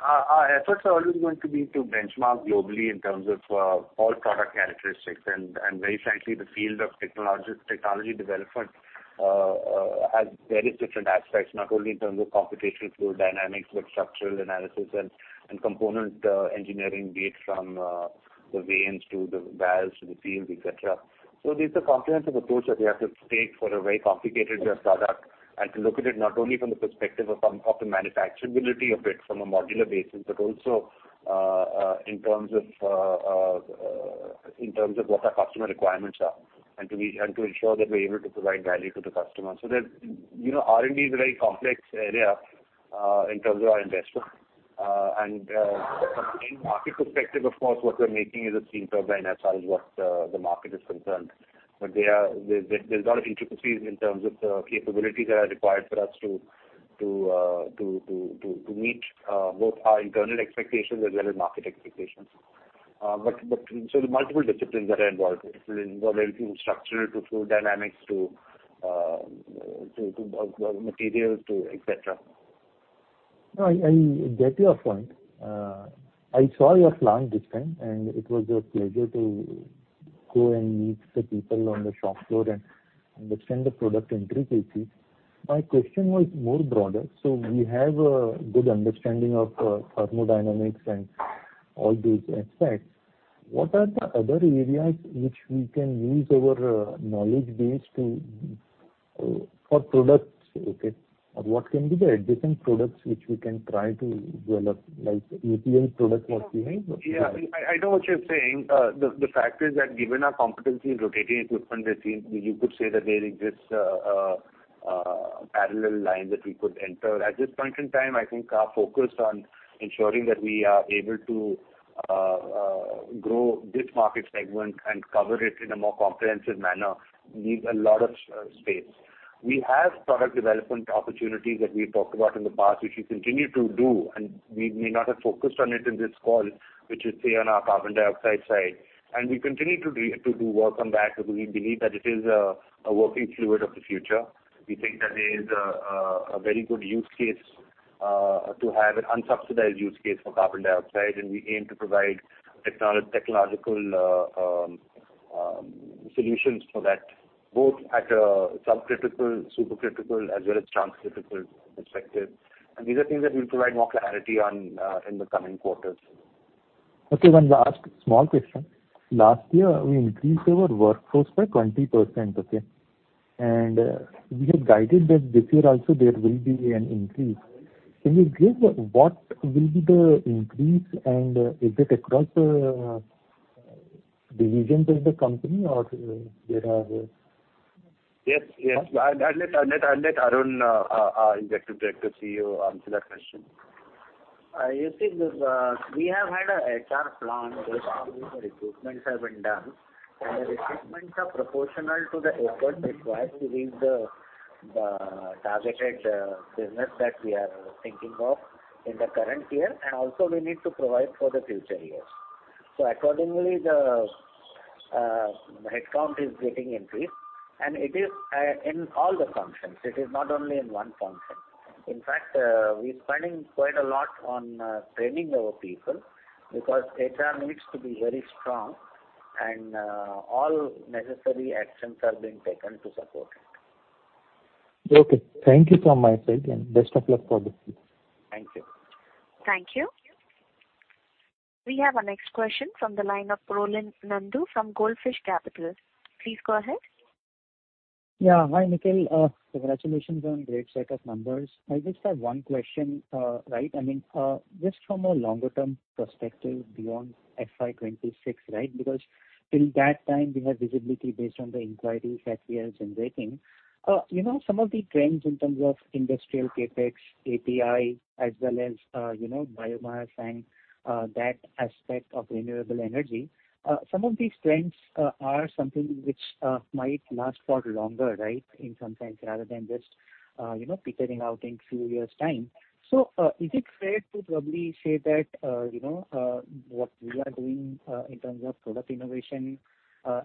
Yeah. Efforts are always going to be to benchmark globally in terms of all product characteristics. And very frankly, the field of technology development has various different aspects, not only in terms of computational fluid dynamics but structural analysis and component engineering, be it from the vanes to the valves to the field, etc. So there's a comprehensive approach that we have to take for a very complicated product and to look at it not only from the perspective of the manufacturability of it from a modular basis but also in terms of what our customer requirements are and to ensure that we're able to provide value to the customer. So R&D is a very complex area in terms of investment. And from a market perspective, of course, what we're making is a steam turbine as far as what the market is concerned. But there's a lot of intricacies in terms of the capabilities that are required for us to meet both our internal expectations as well as market expectations. So the multiple disciplines that are involved. It will involve everything from structural to flow dynamics to materials to etc. I get your point. I saw your plant this time, and it was a pleasure to go and meet the people on the shop floor and understand the product intricacies. My question was more broader. So we have a good understanding of thermodynamics and all those aspects. What are the other areas which we can use our knowledge base for products, okay? Or what can be the adjacent products which we can try to develop, like API products what we have? Yeah. I know what you're saying. The fact is that given our competency in rotating equipment, you could say that there exist parallel lines that we could enter. At this point in time, I think our focus on ensuring that we are able to grow this market segment and cover it in a more comprehensive manner needs a lot of space. We have product development opportunities that we've talked about in the past which we continue to do. And we may not have focused on it in this call, which is, say, on our carbon dioxide side. And we continue to do work on that because we believe that it is a working fluid of the future. We think that there is a very good use case to have an unsubsidized use case for carbon dioxide. We aim to provide technological solutions for that, both at a subcritical, supercritical, as well as transcritical perspective. These are things that we'll provide more clarity on in the coming quarters. Okay. One last small question. Last year, we increased our workforce by 20%, okay? And we had guided that this year also, there will be an increase. Can you give what will be the increase, and is it across the divisions of the company or there are? Yes. Yes. I'll let Arun, our Executive Director, see you answer that question. You see, we have had an HR plan based on the recruitments that have been done. The recruitments are proportional to the effort required to reach the targeted business that we are thinking of in the current year. We also need to provide for the future years. Accordingly, the headcount is getting increased. It is in all the functions. It is not only in one function. In fact, we're spending quite a lot on training our people because HR needs to be very strong. All necessary actions are being taken to support it. Okay. Thank you from my side. Best of luck for this. Thank you. Thank you. We have a next question from the line of Rohan Nandu from Goldfish Capital. Please go ahead. Yeah. Hi, Nikhil. Congratulations on a great set of numbers. I just have one question, right? I mean, just from a longer-term perspective beyond FY26, right? Because till that time, we have visibility based on the inquiries that we are generating. Some of the trends in terms of industrial CapEx, API, as well as biomass and that aspect of renewable energy, some of these trends are something which might last for longer, right, in some sense, rather than just petering out in a few years' time. So is it fair to probably say that what we are doing in terms of product innovation,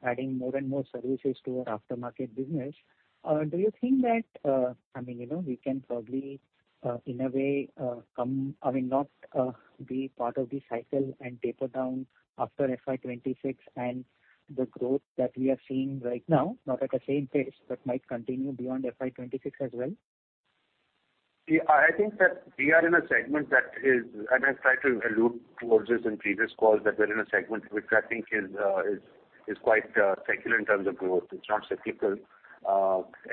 adding more and more services to our aftermarket business, do you think that I mean, we can probably, in a way, come I mean, not be part of the cycle and taper down after FY26 and the growth that we are seeing right now, not at the same pace but might continue beyond FY26 as well? Yeah. I think that we are in a segment that is, and I've tried to allude towards this in previous calls, that we're in a segment which I think is quite secular in terms of growth. It's not cyclical.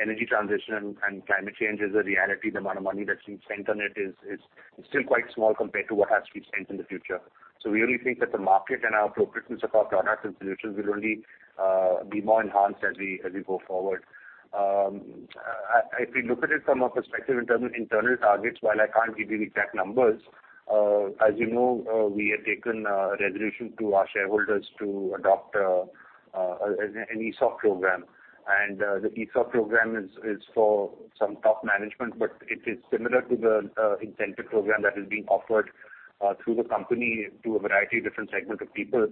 Energy transition and climate change is a reality. The amount of money that's been spent on it is still quite small compared to what has to be spent in the future. So we only think that the market and our appropriateness of our products and solutions will only be more enhanced as we go forward. If we look at it from a perspective in terms of internal targets, while I can't give you the exact numbers, as you know, we have taken a resolution to our shareholders to adopt an ESOP program. The ESOP program is for some top management, but it is similar to the incentive program that is being offered through the company to a variety of different segments of people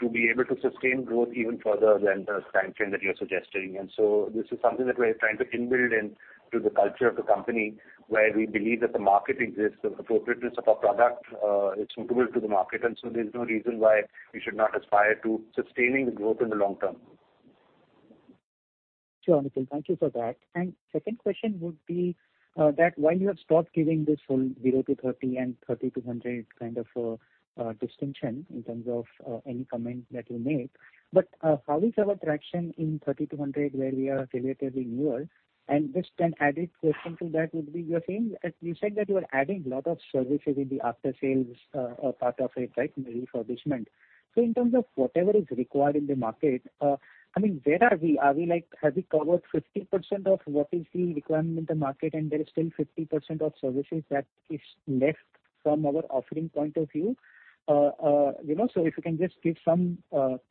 to be able to sustain growth even further than the timeframe that you're suggesting. This is something that we're trying to inbuild into the culture of the company where we believe that the market exists, the appropriateness of our product is suitable to the market. There's no reason why we should not aspire to sustaining the growth in the long term. Sure, Nikhil. Thank you for that. Second question would be that while you have stopped giving this whole 0-30 and 30-100 kind of distinction in terms of any comment that you make, but how is our traction in 30-100 where we are relatively newer? And just an added question to that would be, you said that you were adding a lot of services in the after-sales part of it, right, refurbishment. So in terms of whatever is required in the market, I mean, where are we? Have we covered 50% of what is the requirement in the market, and there is still 50% of services that is left from our offering point of view? So if you can just give some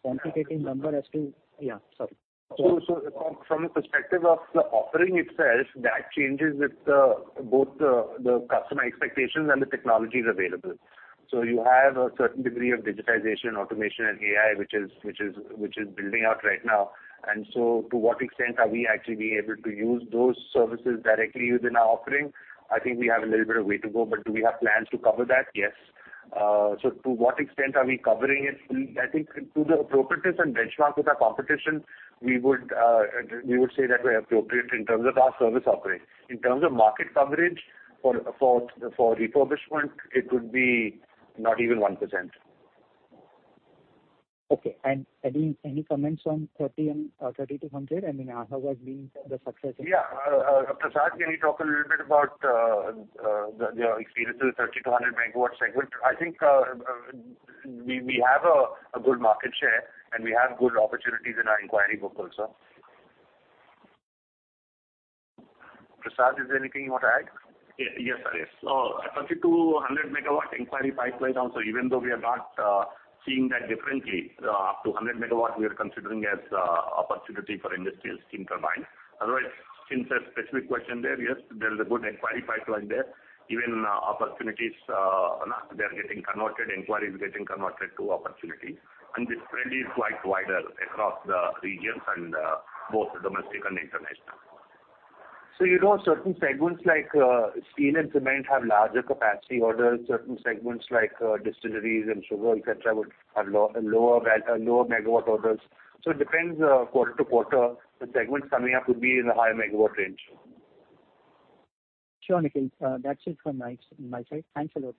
quantitative number as to yeah. Sorry. So from the perspective of the offering itself, that changes with both the customer expectations and the technologies available. So you have a certain degree of digitization, automation, and AI which is building out right now. And so to what extent are we actually being able to use those services directly within our offering? I think we have a little bit of way to go. But do we have plans to cover that? Yes. So to what extent are we covering it? I think to the appropriateness and benchmark with our competition, we would say that we're appropriate in terms of our service offering. In terms of market coverage for refurbishment, it would be not even 1%. Okay. And any comments on 30 and 30-100? I mean, how has been the success in? Yeah. Prasad, can you talk a little bit about your experience with the 30-100 MW segment? I think we have a good market share, and we have good opportunities in our Inquiry Book also. Prasad, is there anything you want to add? Yes, I have. So 30-100 MW inquiry pipeline also, even though we are not seeing that differently, up to 100 MW, we are considering as an opportunity for industrial steam turbines. Otherwise, since there's a specific question there, yes, there's a good inquiry pipeline there. Even opportunities, they're getting converted. Inquiry is getting converted to opportunity. And the trend is quite wider across the regions and both domestic and international. So you know certain segments like steel and cement have larger capacity, or there are certain segments like distilleries and sugar, etc., would have lower MW orders. So it depends quarter to quarter. The segments coming up would be in the higher MW range. Sure, Nikhil. That's it from my side. Thanks a lot.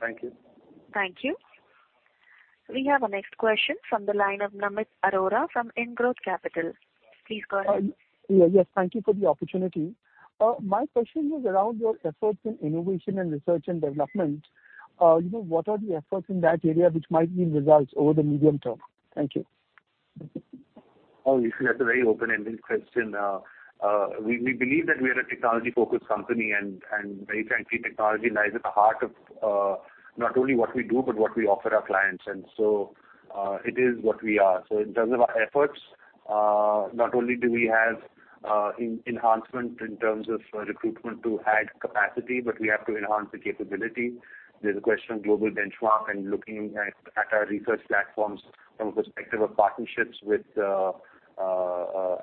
Thank you. Thank you. We have a next question from the line of Namit Arora from Indgrowth Capital. Please go ahead. Yeah. Yes. Thank you for the opportunity. My question was around your efforts in innovation and research and development. What are the efforts in that area which might yield results over the medium term? Thank you. Oh, you've got a very open-ended question. We believe that we are a technology-focused company. Very frankly, technology lies at the heart of not only what we do but what we offer our clients. So it is what we are. In terms of our efforts, not only do we have enhancement in terms of recruitment to add capacity, but we have to enhance the capability. There's a question of global benchmark and looking at our research platforms from a perspective of partnerships with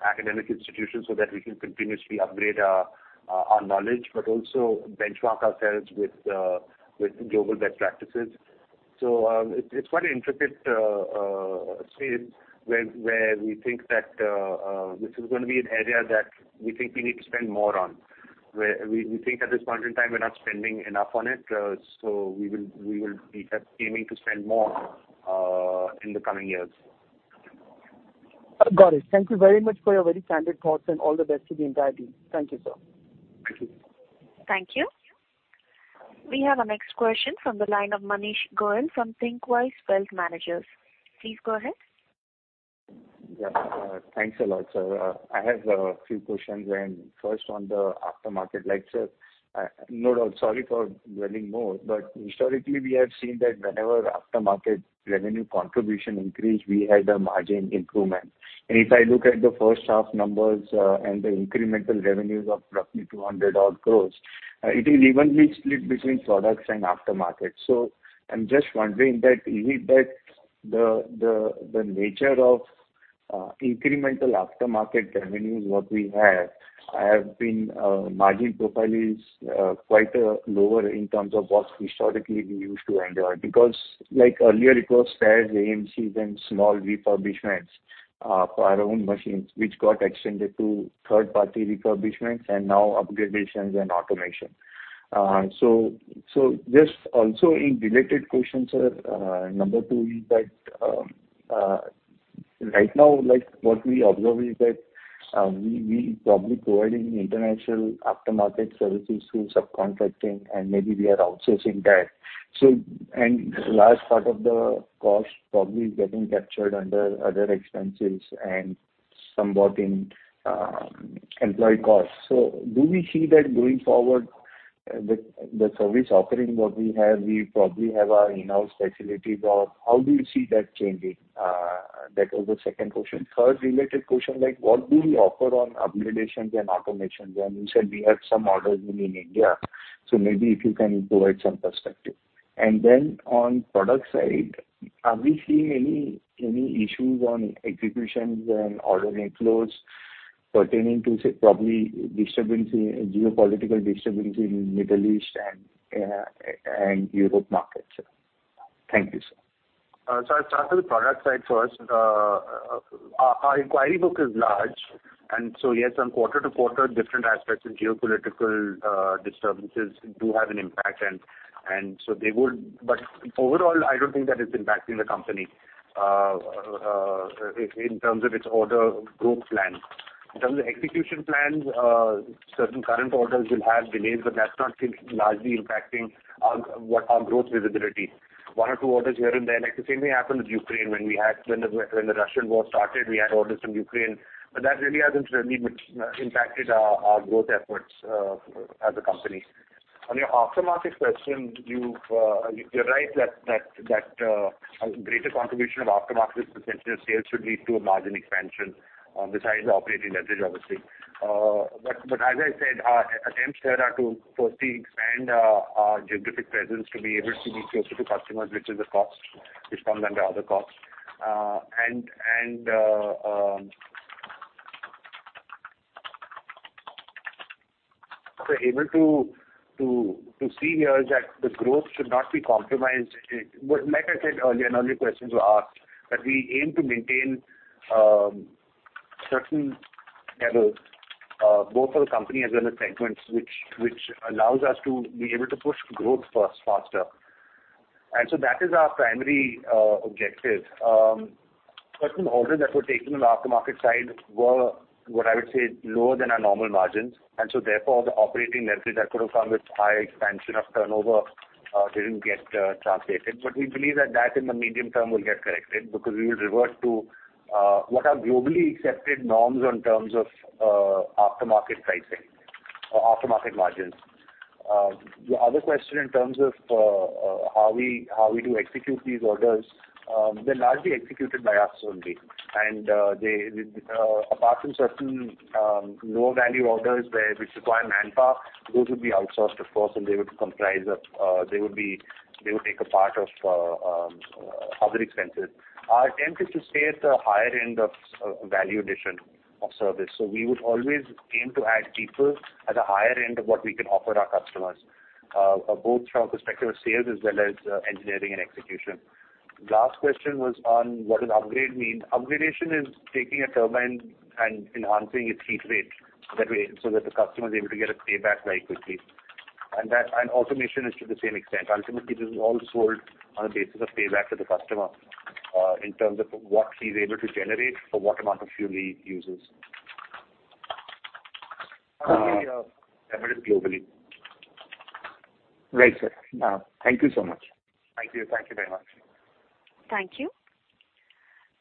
academic institutions so that we can continuously upgrade our knowledge but also benchmark ourselves with global best practices. It's quite an intricate space where we think that this is going to be an area that we think we need to spend more on. We think at this point in time, we're not spending enough on it. We will be aiming to spend more in the coming years. Got it. Thank you very much for your very candid thoughts and all the best to the entire team. Thank you, sir. Thank you. Thank you. We have a next question from the line of Manish Goyal from Thinqwise Wealth Managers. Please go ahead. Yeah. Thanks a lot, sir. I have a few questions. First, on the aftermarket sector, no doubt, sorry for dwelling more, but historically, we have seen that whenever aftermarket revenue contribution increased, we had a margin improvement. And if I look at the first half numbers and the incremental revenues of roughly 200-odd crore, it is evenly split between products and aftermarket. So I'm just wondering that is it that the nature of incremental aftermarket revenues what we have been margin profile is quite lower in terms of what historically we used to enjoy? Because earlier, it was spares AMCs and small refurbishments for our own machines which got extended to third-party refurbishments and now upgradations and automation. So, just also in related questions, sir, number two is that right now, what we observe is that we're probably providing international aftermarket services through subcontracting, and maybe we are outsourcing that. The last part of the cost probably is getting captured under other expenses and somewhat in employee costs. Do we see that going forward, the service offering what we have, we probably have our in-house facilities or how do you see that changing? That was the second question. Third related question, what do we offer on upgradations and automations? You said we have some orders in India. Maybe if you can provide some perspective. On product side, are we seeing any issues on executions and order inflows pertaining to probably geopolitical disturbance in the Middle East and Europe markets? Thank you, sir. So I'll start with the product side first. Our Inquiry Book is large. And so yes, from quarter to quarter, different aspects of geopolitical disturbances do have an impact. And so they would but overall, I don't think that it's impacting the company in terms of its order growth plans. In terms of execution plans, certain current orders will have delays, but that's not largely impacting what our growth visibility. One or two orders here and there, the same thing happened with Ukraine. When the Russian war started, we had orders from Ukraine. But that really hasn't really impacted our growth efforts as a company. On your Aftermarket question, you're right that a greater contribution of Aftermarket percentage of sales should lead to a margin expansion besides the operating leverage, obviously. But as I said, our attempts here are to firstly expand our geographic presence to be able to be closer to customers, which is a cost which comes under other costs. We're able to see here that the growth should not be compromised. Like I said earlier in all your questions were asked, that we aim to maintain certain levels both for the company as well as segments which allows us to be able to push growth faster. So that is our primary objective. Certain orders that were taken on the aftermarket side were, what I would say, lower than our normal margins. Therefore, the operating leverage that could have come with high expansion of turnover didn't get translated. But we believe that in the medium term will get corrected because we will revert to what are globally accepted norms in terms of aftermarket pricing or aftermarket margins. Your other question in terms of how we do execute these orders, they're largely executed by us only. And apart from certain lower-value orders which require manpower, those would be outsourced, of course, and they would comprise of they would take a part of other expenses. Our attempt is to stay at the higher end of value addition of service. So we would always aim to add people at the higher end of what we can offer our customers both from a perspective of sales as well as engineering and execution. Last question was on what does upgrade mean? Upgradation is taking a turbine and enhancing its heat rate so that the customer is able to get a payback very quickly. Automation is to the same extent. Ultimately, this is all sold on the basis of payback to the customer in terms of what he's able to generate for what amount of fuel he uses. That is globally. Right, sir. Thank you so much. Thank you. Thank you very much. Thank you.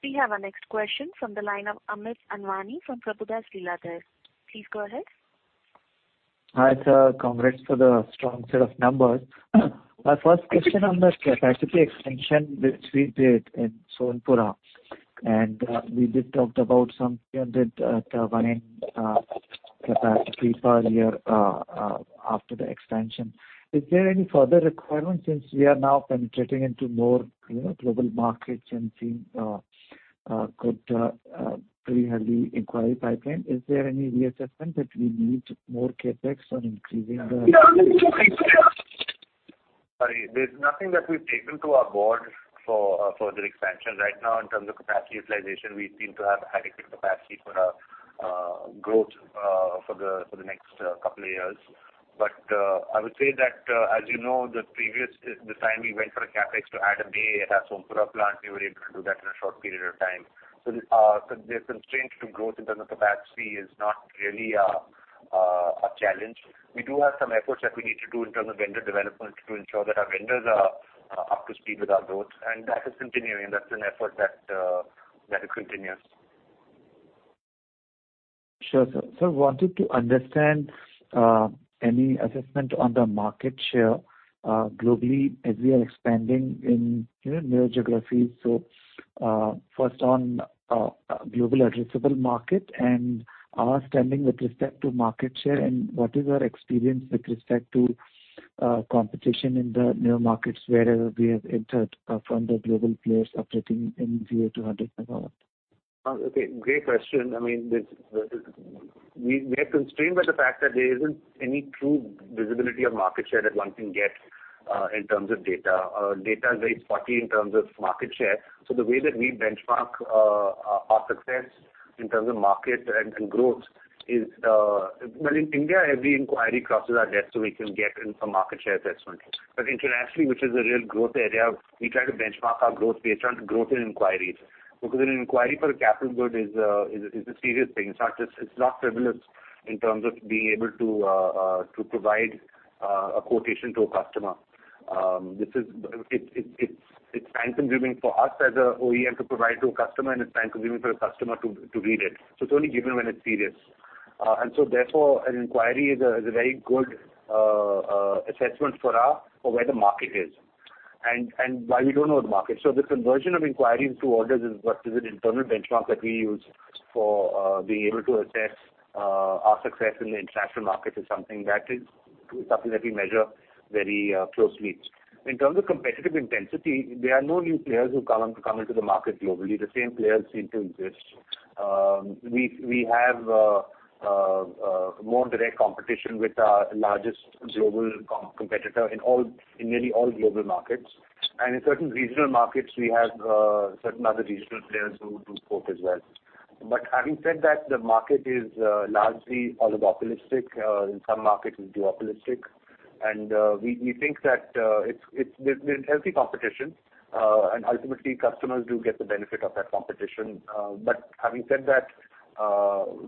We have a next question from the line of Amit Anwani from Prabhudas Lilladher. Please go ahead. Hi, sir. Congrats for the strong set of numbers. My first question on this capacity expansion which we did in Sompura, and we did talk about some 300 turbine capacity per year after the expansion. Is there any further requirement since we are now penetrating into more global markets and seeing a good, pretty heavy inquiry pipeline? Is there any reassessment that we need more CapEx on increasing the? Sorry. There's nothing that we've taken to our board for further expansion. Right now, in terms of capacity utilization, we seem to have adequate capacity for our growth for the next couple of years. But I would say that as you know, the time we went for a CapEx to add a bay at our Sompura plant, we were able to do that in a short period of time. So the constraint to growth in terms of capacity is not really a challenge. We do have some efforts that we need to do in terms of vendor development to ensure that our vendors are up to speed with our growth. And that is continuing. That's an effort that continues. Sure, sir. So I wanted to understand any assessment on the market share globally as we are expanding in newer geographies. So first on global addressable market and our standing with respect to market share and what is our experience with respect to competition in the newer markets wherever we have entered from the global players operating in 0-100 MW? Okay. Great question. I mean, we are constrained by the fact that there isn't any true visibility of market share that one can get in terms of data. Data is very spotty in terms of market share. So the way that we benchmark our success in terms of market and growth is well, in India, every inquiry crosses our desk so we can get a market share assessment. But internationally, which is a real growth area, we try to benchmark our growth based on growth in inquiries because an inquiry for a capital good is a serious thing. It's not frivolous in terms of being able to provide a quotation to a customer. It's time-consuming for us as an OEM to provide it to a customer, and it's time-consuming for a customer to read it. So it's only given when it's serious. Therefore, an inquiry is a very good assessment for us for where the market is and why we don't know the market. So the conversion of inquiries to orders is an internal benchmark that we use for being able to assess our success in the international market is something that we measure very closely. In terms of competitive intensity, there are no new players who come into the market globally. The same players seem to exist. We have more direct competition with our largest global competitor in nearly all global markets. And in certain regional markets, we have certain other regional players who do quote as well. But having said that, the market is largely oligopolistic. In some markets, it's duopolistic. And we think that there's healthy competition. And ultimately, customers do get the benefit of that competition. Having said that,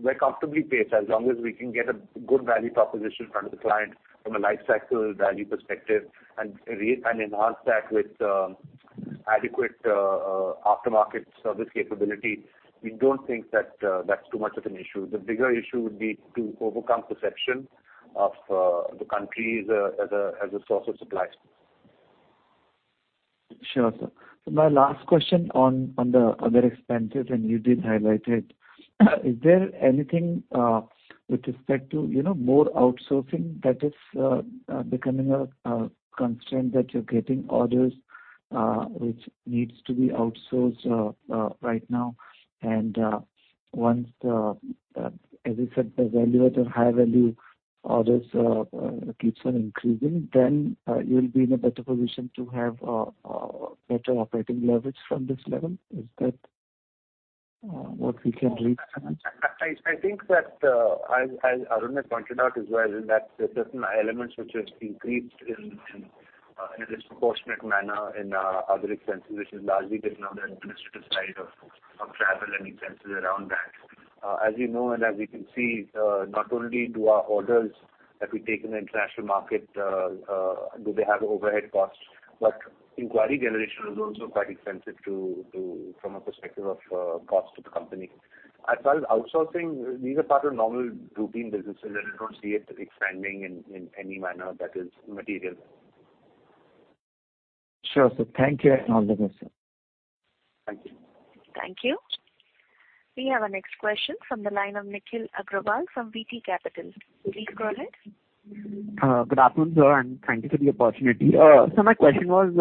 we're comfortably paced as long as we can get a good value proposition in front of the client from a lifecycle value perspective and enhance that with adequate aftermarket service capability. We don't think that that's too much of an issue. The bigger issue would be to overcome perception of the country as a source of supply. Sure, sir. So my last question on the other expenses, and you did highlight it, is there anything with respect to more outsourcing that is becoming a constraint that you're getting orders which needs to be outsourced right now? And as you said, the value at the higher value orders keeps on increasing, then you'll be in a better position to have better operating leverage from this level? Is that what we can reach? I think that as Arun has pointed out as well, there are certain elements which have increased in a disproportionate manner in other expenses which is largely based on the administrative side of travel and expenses around that. As you know and as we can see, not only do our orders that we take in the international market do they have overhead costs, but inquiry generation is also quite expensive from a perspective of cost to the company. As far as outsourcing, these are part of normal routine businesses, and we don't see it expanding in any manner that is material. Sure, sir. Thank you. All the best, sir. Thank you. Thank you. We have a next question from the line of Nikhil Agrawal from VT Capital. Please go ahead. Good afternoon, sir. Thank you for the opportunity. My question was,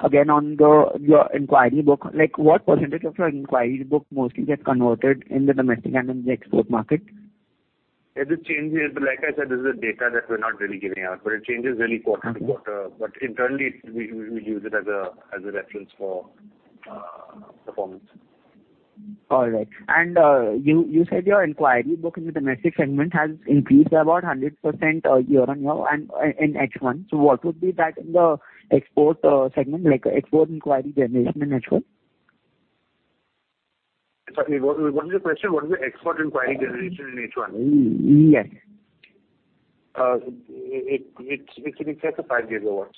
again, on your inquiry book, what percentage of your inquiry book mostly gets converted in the domestic and in the export market? It does change here. But like I said, this is data that we're not really giving out. But it changes really quarter to quarter. But internally, we use it as a reference for performance. All right. And you said your inquiry book in the domestic segment has increased by about 100% year on year in H1. So what would be that in the export segment, export inquiry generation in H1? Sorry. What is your question? What is the export inquiry generation in H1? Yes. It's in excess of 5 gigawatts.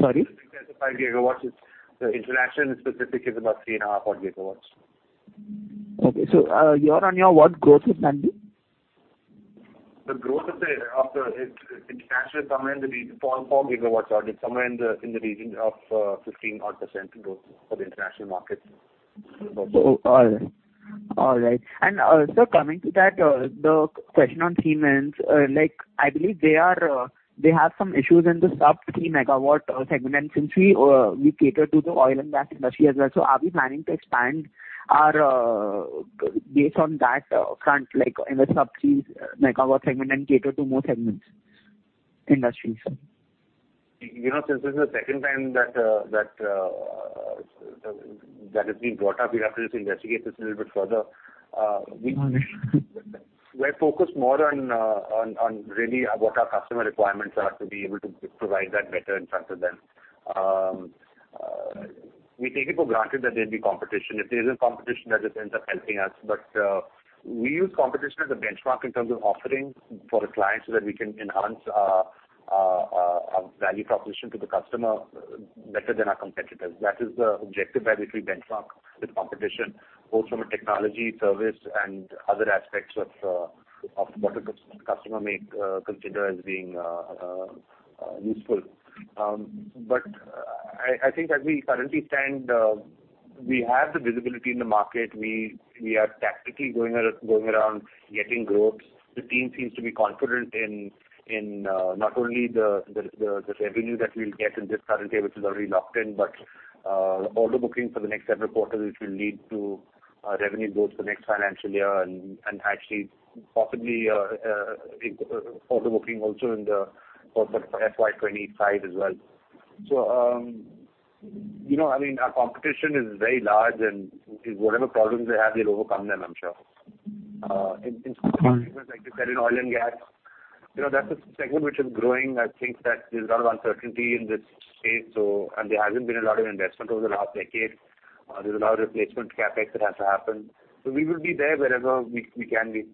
Sorry? It's in excess of 5 gigawatts. The international specific is about 3.5 odd gigawatts. Okay. So year-over-year, what growth would that be? The growth of the international, somewhere in the region, 4 GW odd. It's somewhere in the region of 15-odd% growth for the international markets. All right. All right. Sir, coming to that, the question on Siemens, I believe they have some issues in the sub-3 MW segment. Since we cater to the oil and gas industry as well, are we planning to expand based on that front in the sub-3 MW segment and cater to more segments, industries? Since this is the second time that it's been brought up, we'd have to just investigate this a little bit further. We're focused more on really what our customer requirements are to be able to provide that better in front of them. We take it for granted that there'd be competition. If there isn't competition, that just ends up helping us. But we use competition as a benchmark in terms of offering for the client so that we can enhance our value proposition to the customer better than our competitors. That is the objective by which we benchmark with competition, both from a technology, service, and other aspects of what the customer may consider as being useful. But I think as we currently stand, we have the visibility in the market. We are tactically going around getting growth. The team seems to be confident in not only the revenue that we'll get in this current year, which is already locked in, but order booking for the next several quarters, which will lead to revenue growth for next financial year and actually possibly order booking also for FY25 as well. So I mean, our competition is very large. And whatever problems they have, they'll overcome them, I'm sure. In specifics, like you said, in oil and gas, that's a segment which is growing. I think that there's a lot of uncertainty in this space, and there hasn't been a lot of investment over the last decade. There's a lot of replacement CapEx that has to happen. So we will be there wherever we can be.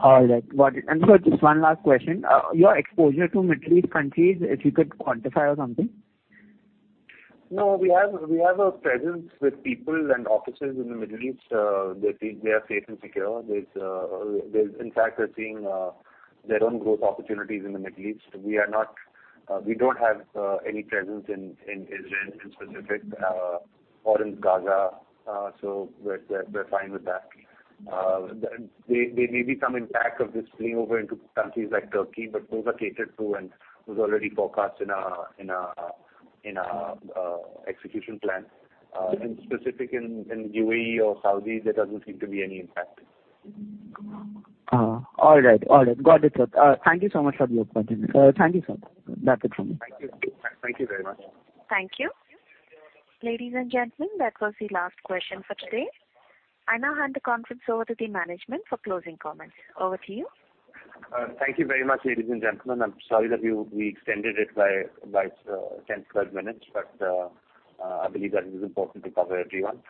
All right. And sir, just one last question. Your exposure to Middle East countries, if you could quantify or something? No, we have a presence with people and offices in the Middle East. They are safe and secure. In fact, they're seeing their own growth opportunities in the Middle East. We don't have any presence in Israel in specific or in Gaza, so we're fine with that. There may be some impact of this spilling over into countries like Turkey, but those are catered to and was already forecast in our execution plan. In specific, in the UAE or Saudi, there doesn't seem to be any impact. All right. All right. Got it, sir. Thank you so much for the opportunity. Thank you, sir. That's it from me. Thank you. Thank you very much. Thank you. Ladies and gentlemen, that was the last question for today. I now hand the conference over to the management for closing comments. Over to you. Thank you very much, ladies and gentlemen. I'm sorry that we extended it by 10, 12 minutes, but I believe that it is important to cover everyone.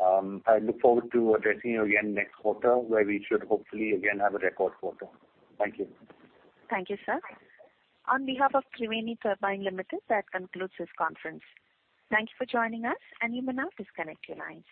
I look forward to addressing you again next quarter where we should hopefully, again, have a record quarter. Thank you. Thank you, sir. On behalf of Triveni Turbine Limited, that concludes this conference. Thank you for joining us. You may now disconnect your lines.